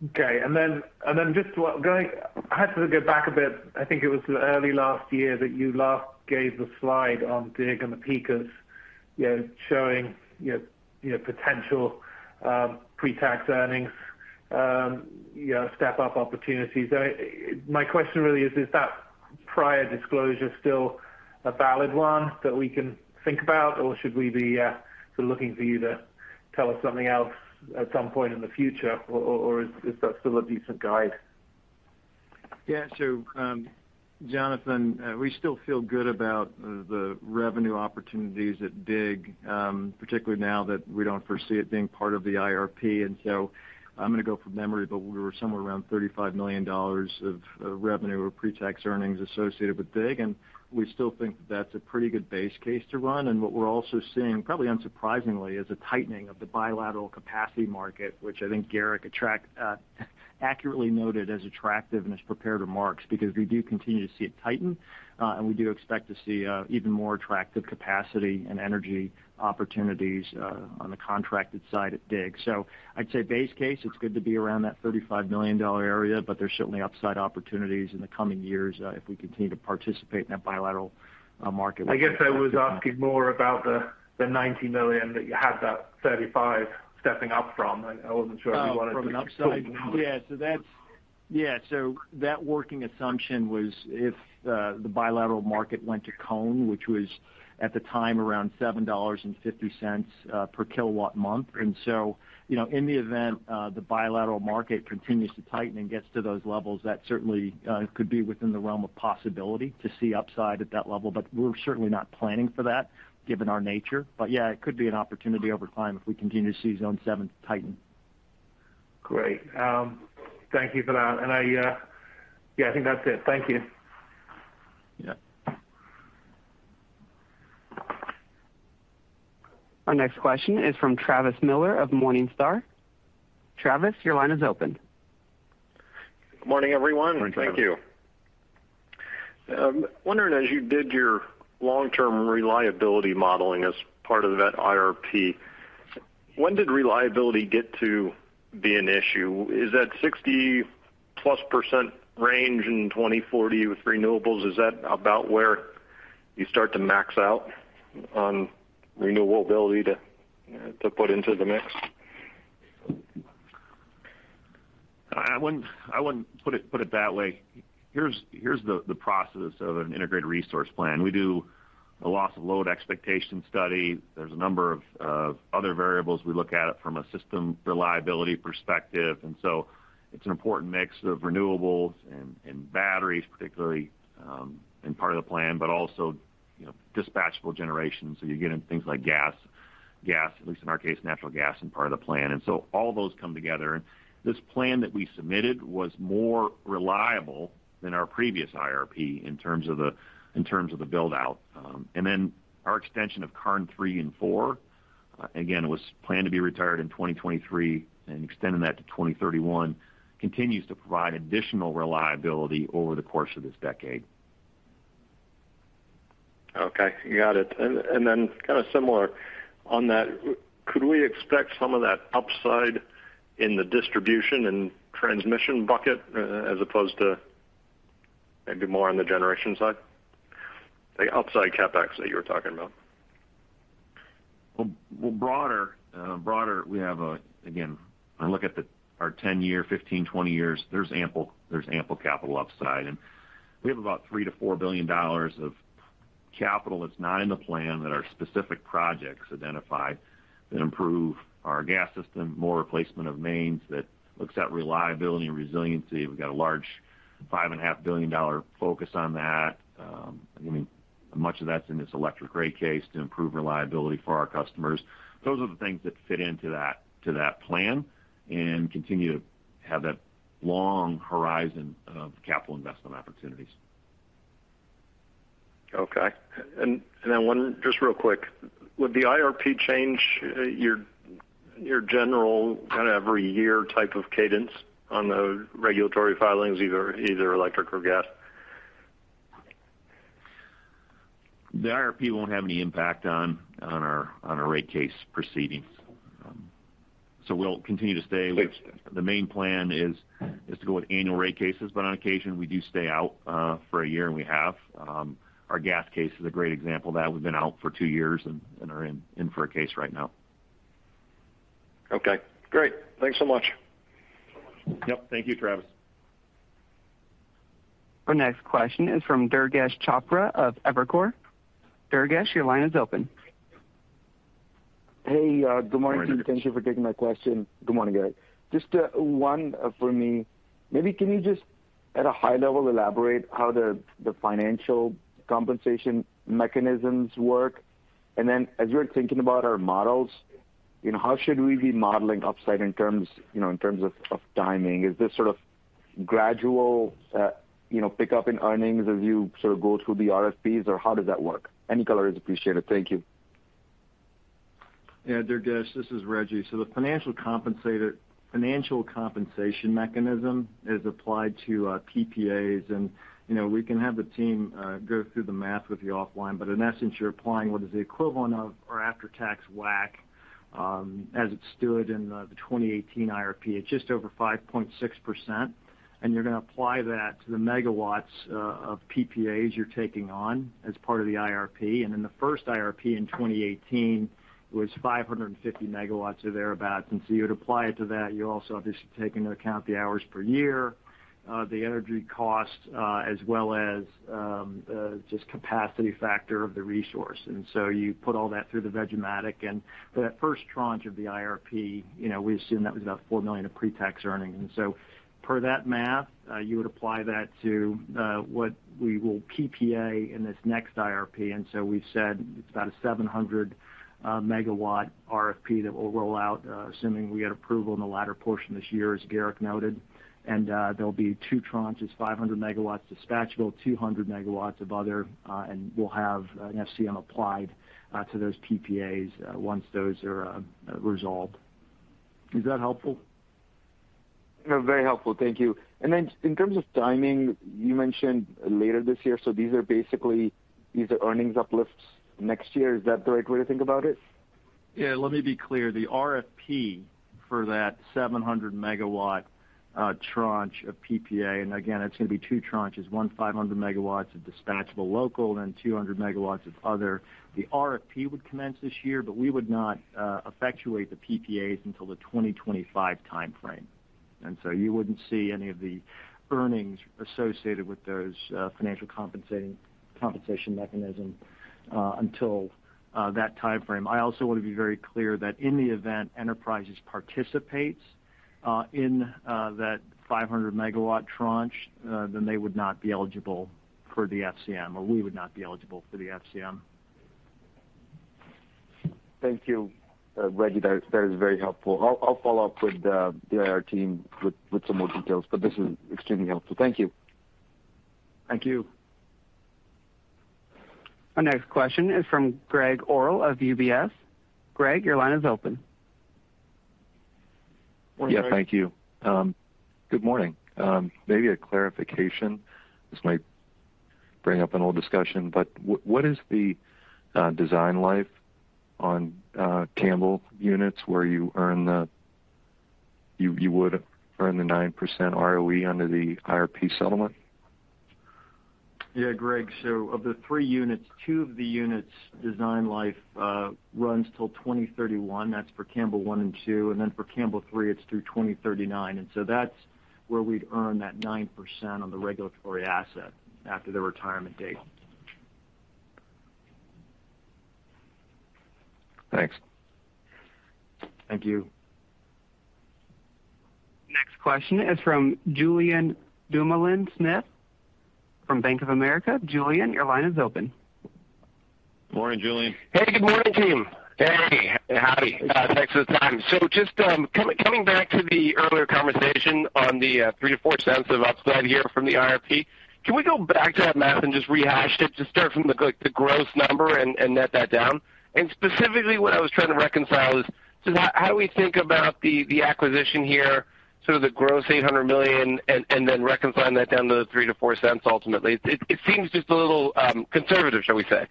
Okay. Then I have to go back a bit. I think it was early last year that you last gave the slide on DIG and the peakers, you know, showing potential pre-tax earnings, you know, step-up opportunities. My question really is that prior disclosure still a valid one that we can think about, or should we be sort of looking for you to tell us something else at some point in the future, or is that still a decent guide? Yeah. Jonathan, we still feel good about the revenue opportunities at DIG, particularly now that we don't foresee it being part of the IRP. I'm gonna go from memory, but we were somewhere around $35 million of revenue or pre-tax earnings associated with DIG, and we still think that that's a pretty good base case to run. What we're also seeing, probably unsurprisingly, is a tightening of the bilateral capacity market, which I think Garrick accurately noted as attractive in his prepared remarks because we do continue to see it tighten, and we do expect to see even more attractive capacity and energy opportunities on the contracted side at DIG. I'd say base case, it's good to be around that $35 million area, but there's certainly upside opportunities in the coming years, if we continue to participate in that bilateral market. I guess I was asking more about the $90 million that you had that $35 stepping up from. I wasn't sure if you wanted to- From an upside. Yeah. That working assumption was if the bilateral market went to cone, which was at the time around $7.50 per kW month. You know, in the event the bilateral market continues to tighten and gets to those levels, that certainly could be within the realm of possibility to see upside at that level. We're certainly not planning for that given our nature. Yeah, it could be an opportunity over time if we continue to see Zone seven tighten. Great. Thank you for that. Yeah, I think that's it. Thank you. Yeah. Our next question is from Travis Miller of Morningstar. Travis, your line is open. Good morning, everyone. Morning, Travis. Thank you. Wondering, as you did your long-term reliability modeling as part of that IRP, when did reliability get to be an issue? Is that 60%+ range in 2040 with renewables, is that about where you start to max out on renewability to put into the mix? I wouldn't put it that way. Here's the process of an integrated resource plan. We do a loss of load expectation study. There's a number of other variables. We look at it from a system reliability perspective, and so it's an important mix of renewables and batteries particularly in part of the plan, but also, you know, dispatchable generation. You're getting things like gas, at least in our case, natural gas in part of the plan. All those come together. This plan that we submitted was more reliable than our previous IRP in terms of the build-out. Our extension of Karn 3 and 4, again, was planned to be retired in 2023, and extending that to 2031 continues to provide additional reliability over the course of this decade. Okay, got it. Kind of similar on that, could we expect some of that upside in the distribution and transmission bucket as opposed to maybe more on the generation side? The upside CapEx that you were talking about. Well, broader, we have. Again, I look at our 10-year, 15, 20 years, there's ample capital upside. We have about $3-$4 billion of capital that's not in the plan that are specific projects identified that improve our gas system, more replacement of mains that looks at reliability and resiliency. We've got a large $5.5 billion focus on that. I mean, much of that's in this electric rate case to improve reliability for our customers. Those are the things that fit into that, to that plan and continue to have that long horizon of capital investment opportunities. Okay. Then one just real quick. Would the IRP change your general kind of every year type of cadence on the regulatory filings, either electric or gas? The IRP won't have any impact on our rate case proceedings. We'll continue to stay- Thanks. The main plan is to go with annual rate cases, but on occasion, we do stay out for a year, and we have. Our gas case is a great example of that. We've been out for two years and are in for a case right now. Okay, great. Thanks so much. Yep. Thank you, Travis. Our next question is from Durgesh Chopra of Evercore ISI. Durgesh, your line is open. Hey, good morning, team. Morning, Durgesh. Thank you for taking my question. Good morning, guys. Just one for me. Maybe can you just at a high level elaborate how the financial compensation mechanisms work? As we're thinking about our models, you know, how should we be modeling upside in terms, you know, of timing? Is this sort of gradual, you know, pickup in earnings as you sort of go through the RFPs, or how does that work? Any color is appreciated. Thank you. Yeah, Durgesh. This is Rejji. The financial compensation mechanism is applied to PPAs. You know, we can have the team go through the math with you offline, but in essence, you're applying what is the equivalent of our after-tax WACC. As it stood in the 2018 IRP, it's just over 5.6%. You're gonna apply that to the megawatts of PPAs you're taking on as part of the IRP. In the first IRP in 2018 was 550 MW or thereabout. You would apply it to that. You also obviously take into account the hours per year, the energy cost, as well as just capacity factor of the resource. You put all that through the Veg-O-Matic. For that first tranche of the IRP, you know, we assume that was about $4 million of pre-tax earnings. Per that math, you would apply that to what we will PPA in this next IRP. We've said it's about a 700 MW RFP that we'll roll out, assuming we get approval in the latter portion this year, as Garrick noted. There'll be two tranches, 500 MW dispatchable, 200 MW of other, and we'll have an FCM applied to those PPAs once those are resolved. Is that helpful? No, very helpful. Thank you. In terms of timing, you mentioned later this year. These are earnings uplifts next year. Is that the right way to think about it? Yeah. Let me be clear. The RFP for that 700 MW tranche of PPA, and again, it's gonna be two tranches, one 500 MW of dispatchable local and 200 MW of other. The RFP would commence this year, but we would not effectuate the PPAs until the 2025 timeframe. You wouldn't see any of the earnings associated with those financial compensation mechanism until that timeframe. I also want to be very clear that in the event Enterprises participates in that 500 MW tranche, then they would not be eligible for the FCM, or we would not be eligible for the FCM. Thank you, Rejji. That is very helpful. I'll follow up with the IR team with some more details, but this is extremely helpful. Thank you. Thank you. Our next question is from Gregg Orrill of UBS. Gregg, your line is open. Morning, Gregg. Yeah, thank you. Good morning. Maybe a clarification. This might bring up an old discussion, but what is the design life on Campbell units where you would earn the 9% ROE under the IRP settlement? Gregg. Of the three units, two of the units design life runs till 2031, that's for Campbell One and Two. For Campbell Three, it's through 2039. That's where we'd earn that 9% on the regulatory asset after the retirement date. Thanks. Thank you. Next question is from Julien Dumoulin-Smith from Bank of America. Julien, your line is open. Morning, Julien. Hey, good morning, team. Hey, howdy. Thanks for the time. Just coming back to the earlier conversation on the $0.03-$0.04 of upside here from the IRP. Can we go back to that math and just rehash it to start from the, like, the gross number and net that down? Specifically, what I was trying to reconcile is just how we think about the acquisition here, sort of the gross $800 million and then reconciling that down to the $0.03-$0.04 ultimately. It seems just a little conservative, shall we say,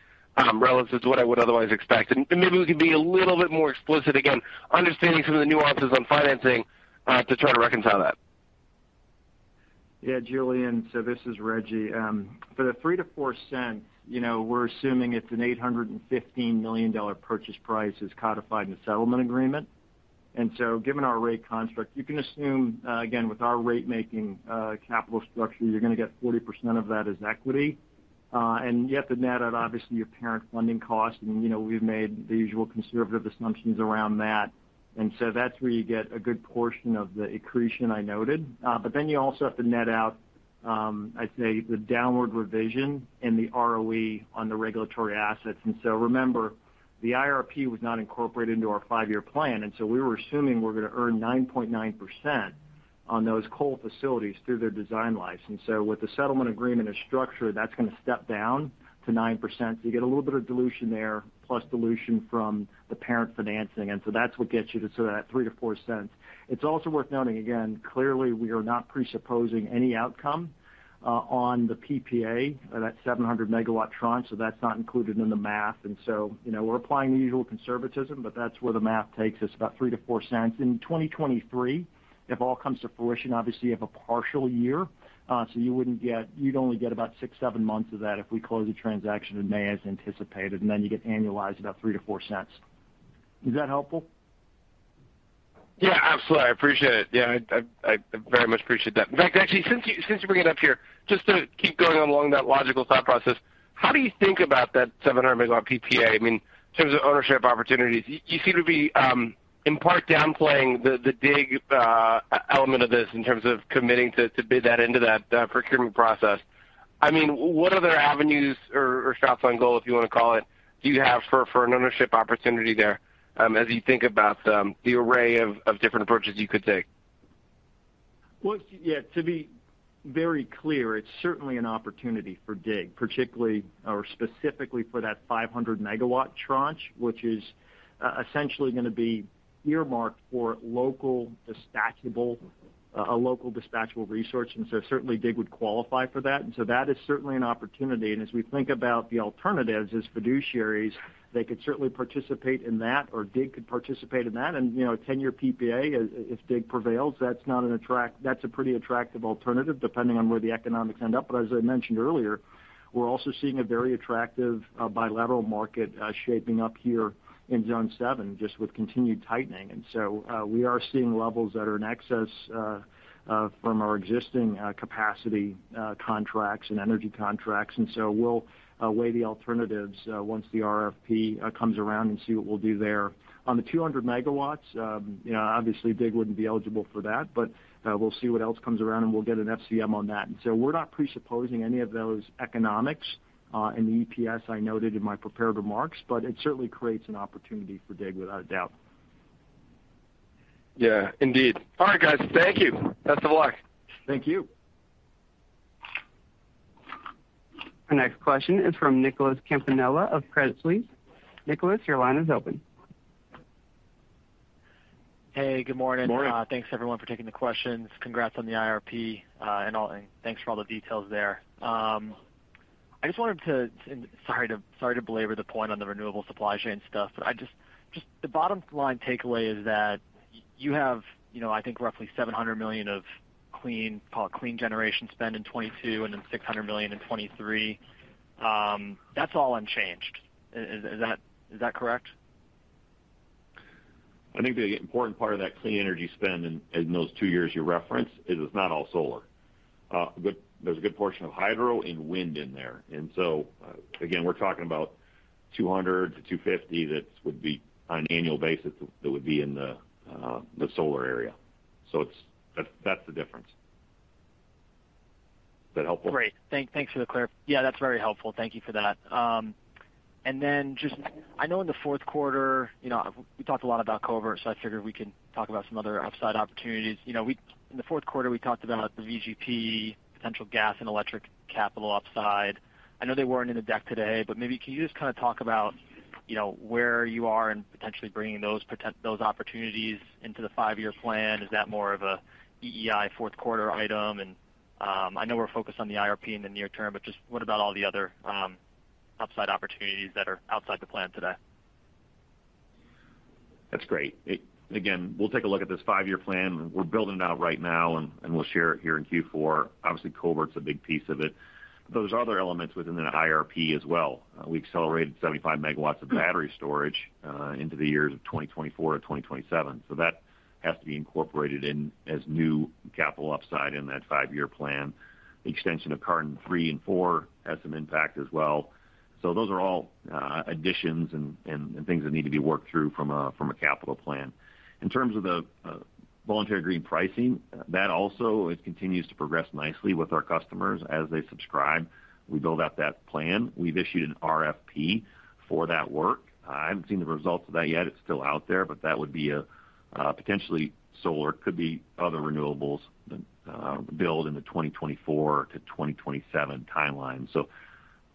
relative to what I would otherwise expect. Maybe we could be a little bit more explicit, again, understanding some of the nuances on financing, to try to reconcile that. Yeah, Julien, this is Rejji. For the $0.03-$0.04, you know, we're assuming it's a $815 million purchase price as codified in the settlement agreement. Given our rate construct, you can assume, again, with our rate-making, capital structure, you're gonna get 40% of that as equity. You have to net out obviously your parent funding costs. You know, we've made the usual conservative assumptions around that. That's where you get a good portion of the accretion I noted. But you also have to net out, I'd say the downward revision in the ROE on the regulatory assets. Remember, the IRP was not incorporated into our five-year plan, and we were assuming we're gonna earn 9.9% on those coal facilities through their design life. With the settlement agreement as structured, that's gonna step down to 9%. You get a little bit of dilution there, plus dilution from the parent financing. That's what gets you to sort of that $0.03-$0.04. It's also worth noting again, clearly, we are not presupposing any outcome on the PPA at that 700 MW tranche. That's not included in the math. You know, we're applying the usual conservatism, but that's where the math takes us, about $0.03-$0.04. In 2023, if all comes to fruition, obviously you have a partial year, so you'd only get about six-seven months of that if we close the transaction in May as anticipated, and then you get annualized about $0.03-$0.04. Is that helpful? Yeah, absolutely. I appreciate it. Yeah, I very much appreciate that. In fact, actually, since you bring it up here, just to keep going along that logical thought process, how do you think about that 700 MW PPA, I mean, in terms of ownership opportunities? You seem to be in part downplaying the DIG element of this in terms of committing to bid that into that procurement process. I mean, what other avenues or shots on goal, if you wanna call it, do you have for an ownership opportunity there, as you think about the array of different approaches you could take? Well, yeah, to be very clear, it's certainly an opportunity for DIG, particularly or specifically for that 500 MW tranche, which is essentially gonna be earmarked for local dispatchable, a local dispatchable resource. Certainly DIG would qualify for that. That is certainly an opportunity. As we think about the alternatives as fiduciaries, they could certainly participate in that, or DIG could participate in that. You know, a 10-year PPA, if DIG prevails, that's a pretty attractive alternative depending on where the economics end up. As I mentioned earlier, we're also seeing a very attractive bilateral market shaping up here in Zone seven, just with continued tightening. We are seeing levels that are in excess from our existing capacity contracts and energy contracts. We'll weigh the alternatives once the RFP comes around and see what we'll do there. On the 200 MW, you know, obviously DIG wouldn't be eligible for that, but we'll see what else comes around, and we'll get an FCM on that. We're not presupposing any of those economics in the EPS I noted in my prepared remarks, but it certainly creates an opportunity for DIG without a doubt. Yeah, indeed. All right, guys. Thank you. Best of luck. Thank you. The next question is from Nicholas Campanella of Credit Suisse. Nicholas, your line is open. Hey, good morning. Morning. Thanks everyone for taking the questions. Congrats on the IRP and thanks for all the details there. Sorry to belabor the point on the renewable supply chain stuff, but just the bottom line takeaway is that you have, you know, I think roughly $700 million of clean, call it clean generation spend in 2022 and then $600 million in 2023. That's all unchanged. Is that correct? I think the important part of that clean energy spend in those two years you referenced is it's not all solar. There's a good portion of hydro and wind in there. Again, we're talking about $200-$250 that would be on an annual basis that would be in the solar area. That's the difference. Is that helpful? Great. Thanks. Yeah, that's very helpful. Thank you for that. And then just, I know in the fourth quarter, you know, we talked a lot about Covert, so I figured we could talk about some other upside opportunities. You know, in the fourth quarter, we talked about the VGP potential gas and electric capital upside. I know they weren't in the deck today, but maybe can you just kind of talk about, you know, where you are in potentially bringing those opportunities into the five-year plan? Is that more of a EEI fourth quarter item? I know we're focused on the IRP in the near term, but just what about all the other upside opportunities that are outside the plan today? That's great. Again, we'll take a look at this five-year plan. We're building it out right now, and we'll share it here in Q4. Obviously, Covert's a big piece of it. There's other elements within an IRP as well. We accelerated 75 MW of battery storage into the years of 2024 to 2027. That has to be incorporated in as new capital upside in that five-year plan. The extension of Karn 3 and 4 has some impact as well. Those are all additions and things that need to be worked through from a capital plan. In terms of the voluntary green pricing, that also it continues to progress nicely with our customers. As they subscribe, we build out that plan. We've issued an RFP for that work. I haven't seen the results of that yet. It's still out there. That would be a potentially solar. It could be other renewables that build in the 2024-2027 timeline.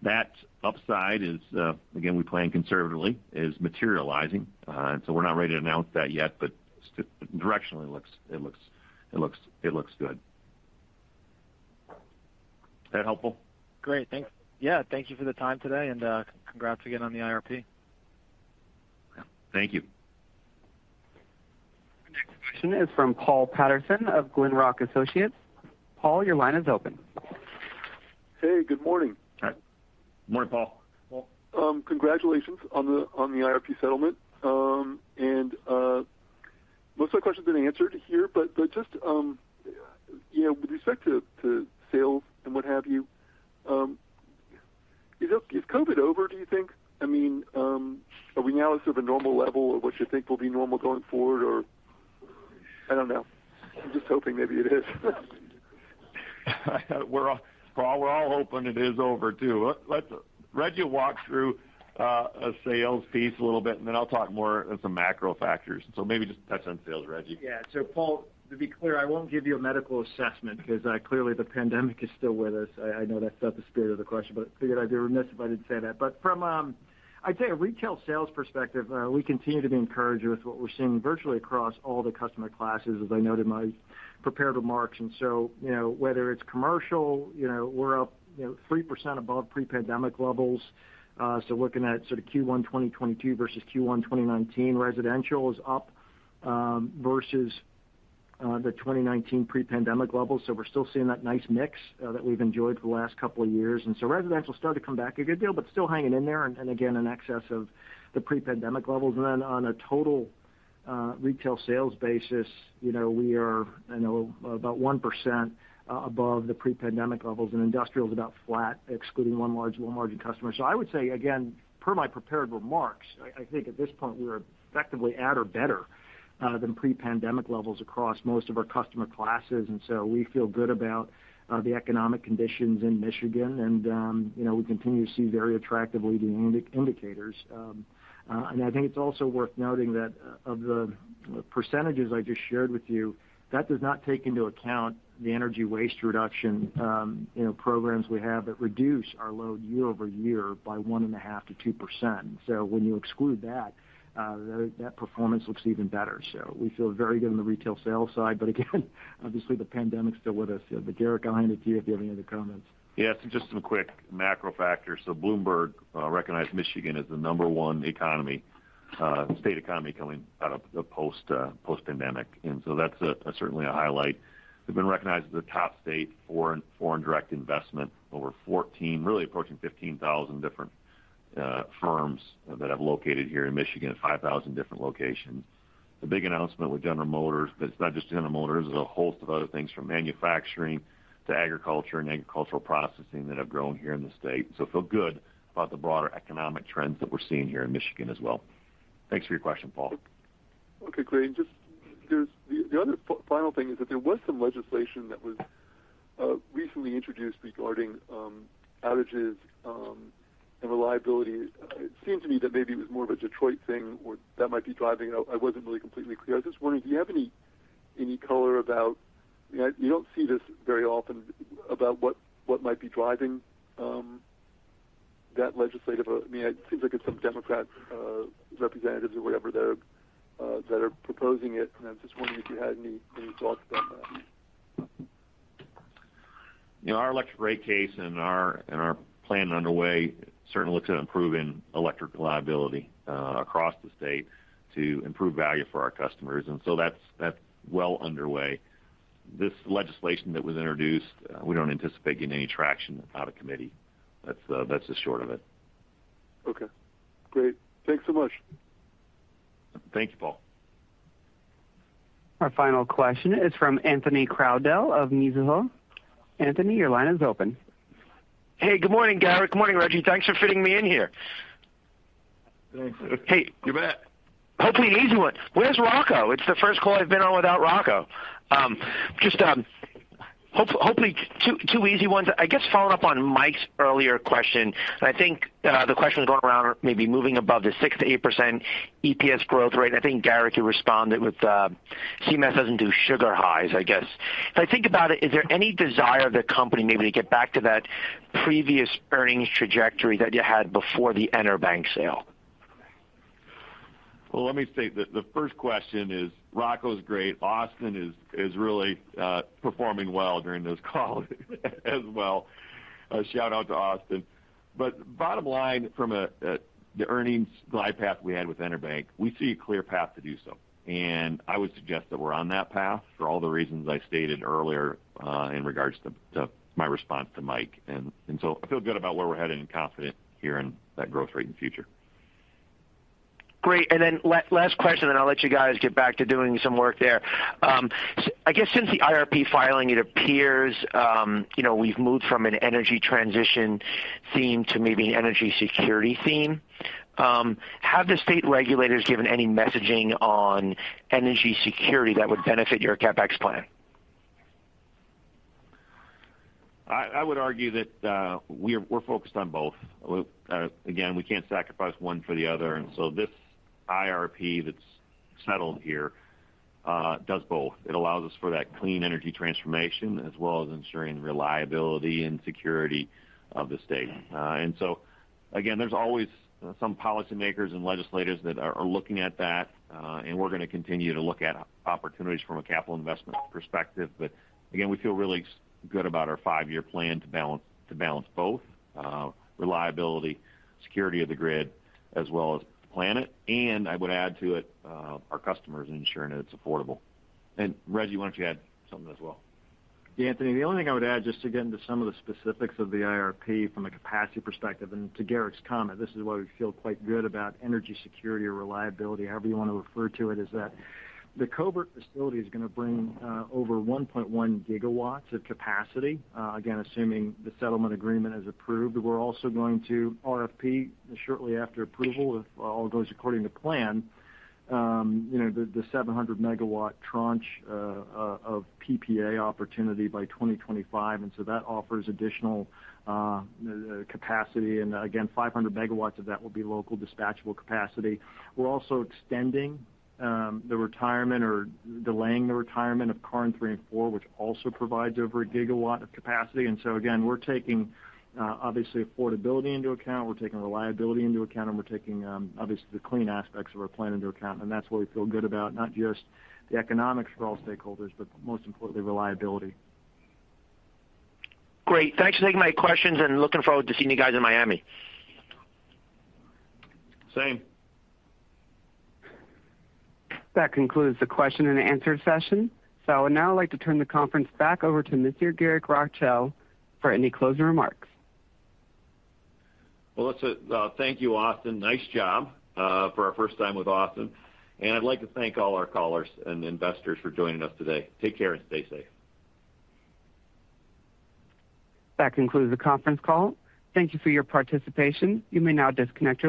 That upside is, again, we plan conservatively, materializing. We're not ready to announce that yet, but directionally, it looks good. Is that helpful? Great. Thanks. Yeah, thank you for the time today, and congrats again on the IRP. Yeah. Thank you. The next question is from Paul Patterson of Glenrock Associates. Paul, your line is open. Hey, good morning. Hi. Morning, Paul. Congratulations on the IRP settlement. Most of my questions have been answered here. Just, you know, with respect to sales and what have you, is COVID over, do you think? I mean, are we now sort of a normal level of what you think will be normal going forward? Or, I don't know. I'm just hoping maybe it is. We're all, Paul, we're all hoping it is over too. Rejji will walk through a sales piece a little bit, and then I'll talk more on some macro factors. Maybe just touch on sales, Rejji. Yeah. Paul, to be clear, I won't give you a medical assessment because clearly the pandemic is still with us. I know that's not the spirit of the question, but figured I'd be remiss if I didn't say that. From, I'd say a retail sales perspective, we continue to be encouraged with what we're seeing virtually across all the customer classes, as I noted in my prepared remarks. You know, whether it's commercial, you know, we're up, you know, 3% above pre-pandemic levels. Looking at sort of Q1 2022 versus Q1 2019, residential is up versus the 2019 pre-pandemic levels. We're still seeing that nice mix that we've enjoyed for the last couple of years. Residential started to come back a good deal, but still hanging in there and again, in excess of the pre-pandemic levels. Then on a total retail sales basis, you know, we are, I know, about 1% above the pre-pandemic levels, and industrial is about flat, excluding one larger customer. I would say, again, per my prepared remarks, I think at this point, we are effectively at or better than pre-pandemic levels across most of our customer classes. We feel good about the economic conditions in Michigan. You know, we continue to see very attractive leading indicators. I think it's also worth noting that of the percentages I just shared with you, that does not take into account the energy waste reduction, you know, programs we have that reduce our load year-over-year by 1.5%-2%. When you exclude that performance looks even better. We feel very good on the retail sales side. Again, obviously the pandemic's still with us. Garrick, I'll hand it to you if you have any other comments. Yeah. Just some quick macro factors. Bloomberg recognized Michigan as the number one economy, state economy coming out of a post-pandemic. That's certainly a highlight. We've been recognized as a top state foreign direct investment over 14, really approaching 15,000 different firms that have located here in Michigan, 5,000 different locations. The big announcement with General Motors, but it's not just General Motors, there's a host of other things from manufacturing to agriculture and agricultural processing that have grown here in the state. Feel good about the broader economic trends that we're seeing here in Michigan as well. Thanks for your question, Paul. Okay, great. Just there's the other final thing is that there was some legislation that was recently introduced regarding outages and reliability. It seemed to me that maybe it was more of a Detroit thing or that might be driving. I wasn't really completely clear. I'm just wondering, do you have any color about, you know, you don't see this very often about what might be driving that legislation. I mean, it seems like it's some Democrat representatives or whatever that are proposing it. I'm just wondering if you had any thoughts about that. You know, our electric rate case and our plan underway certainly looks at improving electric reliability across the state to improve value for our customers. That's well underway. This legislation that was introduced, we don't anticipate getting any traction out of committee. That's the short of it. Okay, great. Thanks so much. Thank you, Paul. Our final question is from Anthony Crowdell of Mizuho. Anthony, your line is open. Hey, good morning, Garrick Rochow. Good morning, Rejji Hayes. Thanks for fitting me in here. Thanks. Hey. You bet. Hopefully an easy one. Where's Rocco? It's the first call I've been on without Rocco. I guess following up on Mike's earlier question, and I think the question was going around maybe moving above the 6%-8% EPS growth rate, and I think Garrick, you responded with CMS doesn't do sugar highs, I guess. If I think about it, is there any desire of the company maybe to get back to that previous earnings trajectory that you had before the EnerBank sale? Well, let me say the first question is Rocco's great. Austin is really performing well during those calls as well. A shout-out to Austin. Bottom line, from the earnings glide path we had with EnerBank, we see a clear path to do so. I would suggest that we're on that path for all the reasons I stated earlier, in regards to my response to Mike. I feel good about where we're headed and confident here in that growth rate in the future. Great. Last question, then I'll let you guys get back to doing some work there. I guess since the IRP filing, it appears, you know, we've moved from an energy transition theme to maybe an energy security theme. Have the state regulators given any messaging on energy security that would benefit your CapEx plan? I would argue that we're focused on both. Again, we can't sacrifice one for the other. This IRP that's settled here does both. It allows us for that clean energy transformation, as well as ensuring reliability and security of the state. Again, there's always some policymakers and legislators that are looking at that, and we're gonna continue to look at opportunities from a capital investment perspective. We feel really good about our five-year plan to balance both reliability, security of the grid, as well as the planet. I would add to it our customers ensuring that it's affordable. Rejji, why don't you add something as well? Yeah, Anthony, the only thing I would add, just to get into some of the specifics of the IRP from a capacity perspective, and to Garrick's comment, this is why we feel quite good about energy security or reliability, however you want to refer to it, is that the Covert facility is going to bring over 1.1 GW of capacity, again, assuming the settlement agreement is approved. We're also going to RFP shortly after approval, if all goes according to plan, you know, the 700 MW tranche of PPA opportunity by 2025, and so that offers additional capacity and again, 500 MW of that will be local dispatchable capacity. We're also extending the retirement or delaying the retirement of Karn 3 and 4, which also provides over a gigawatt of capacity. Again, we're taking, obviously affordability into account, we're taking reliability into account, and we're taking, obviously the clean aspects of our plan into account. That's why we feel good about not just the economics for all stakeholders, but most importantly, reliability. Great. Thanks for taking my questions, and looking forward to seeing you guys in Miami. Same. That concludes the question and answer session. I would now like to turn the conference back over to Mr. Garrick Rochow for any closing remarks. Well, that's it. Thank you, Austin. Nice job for our first time with Austin. I'd like to thank all our callers and investors for joining us today. Take care and stay safe. That concludes the conference call. Thank you for your participation. You may now disconnect your lines.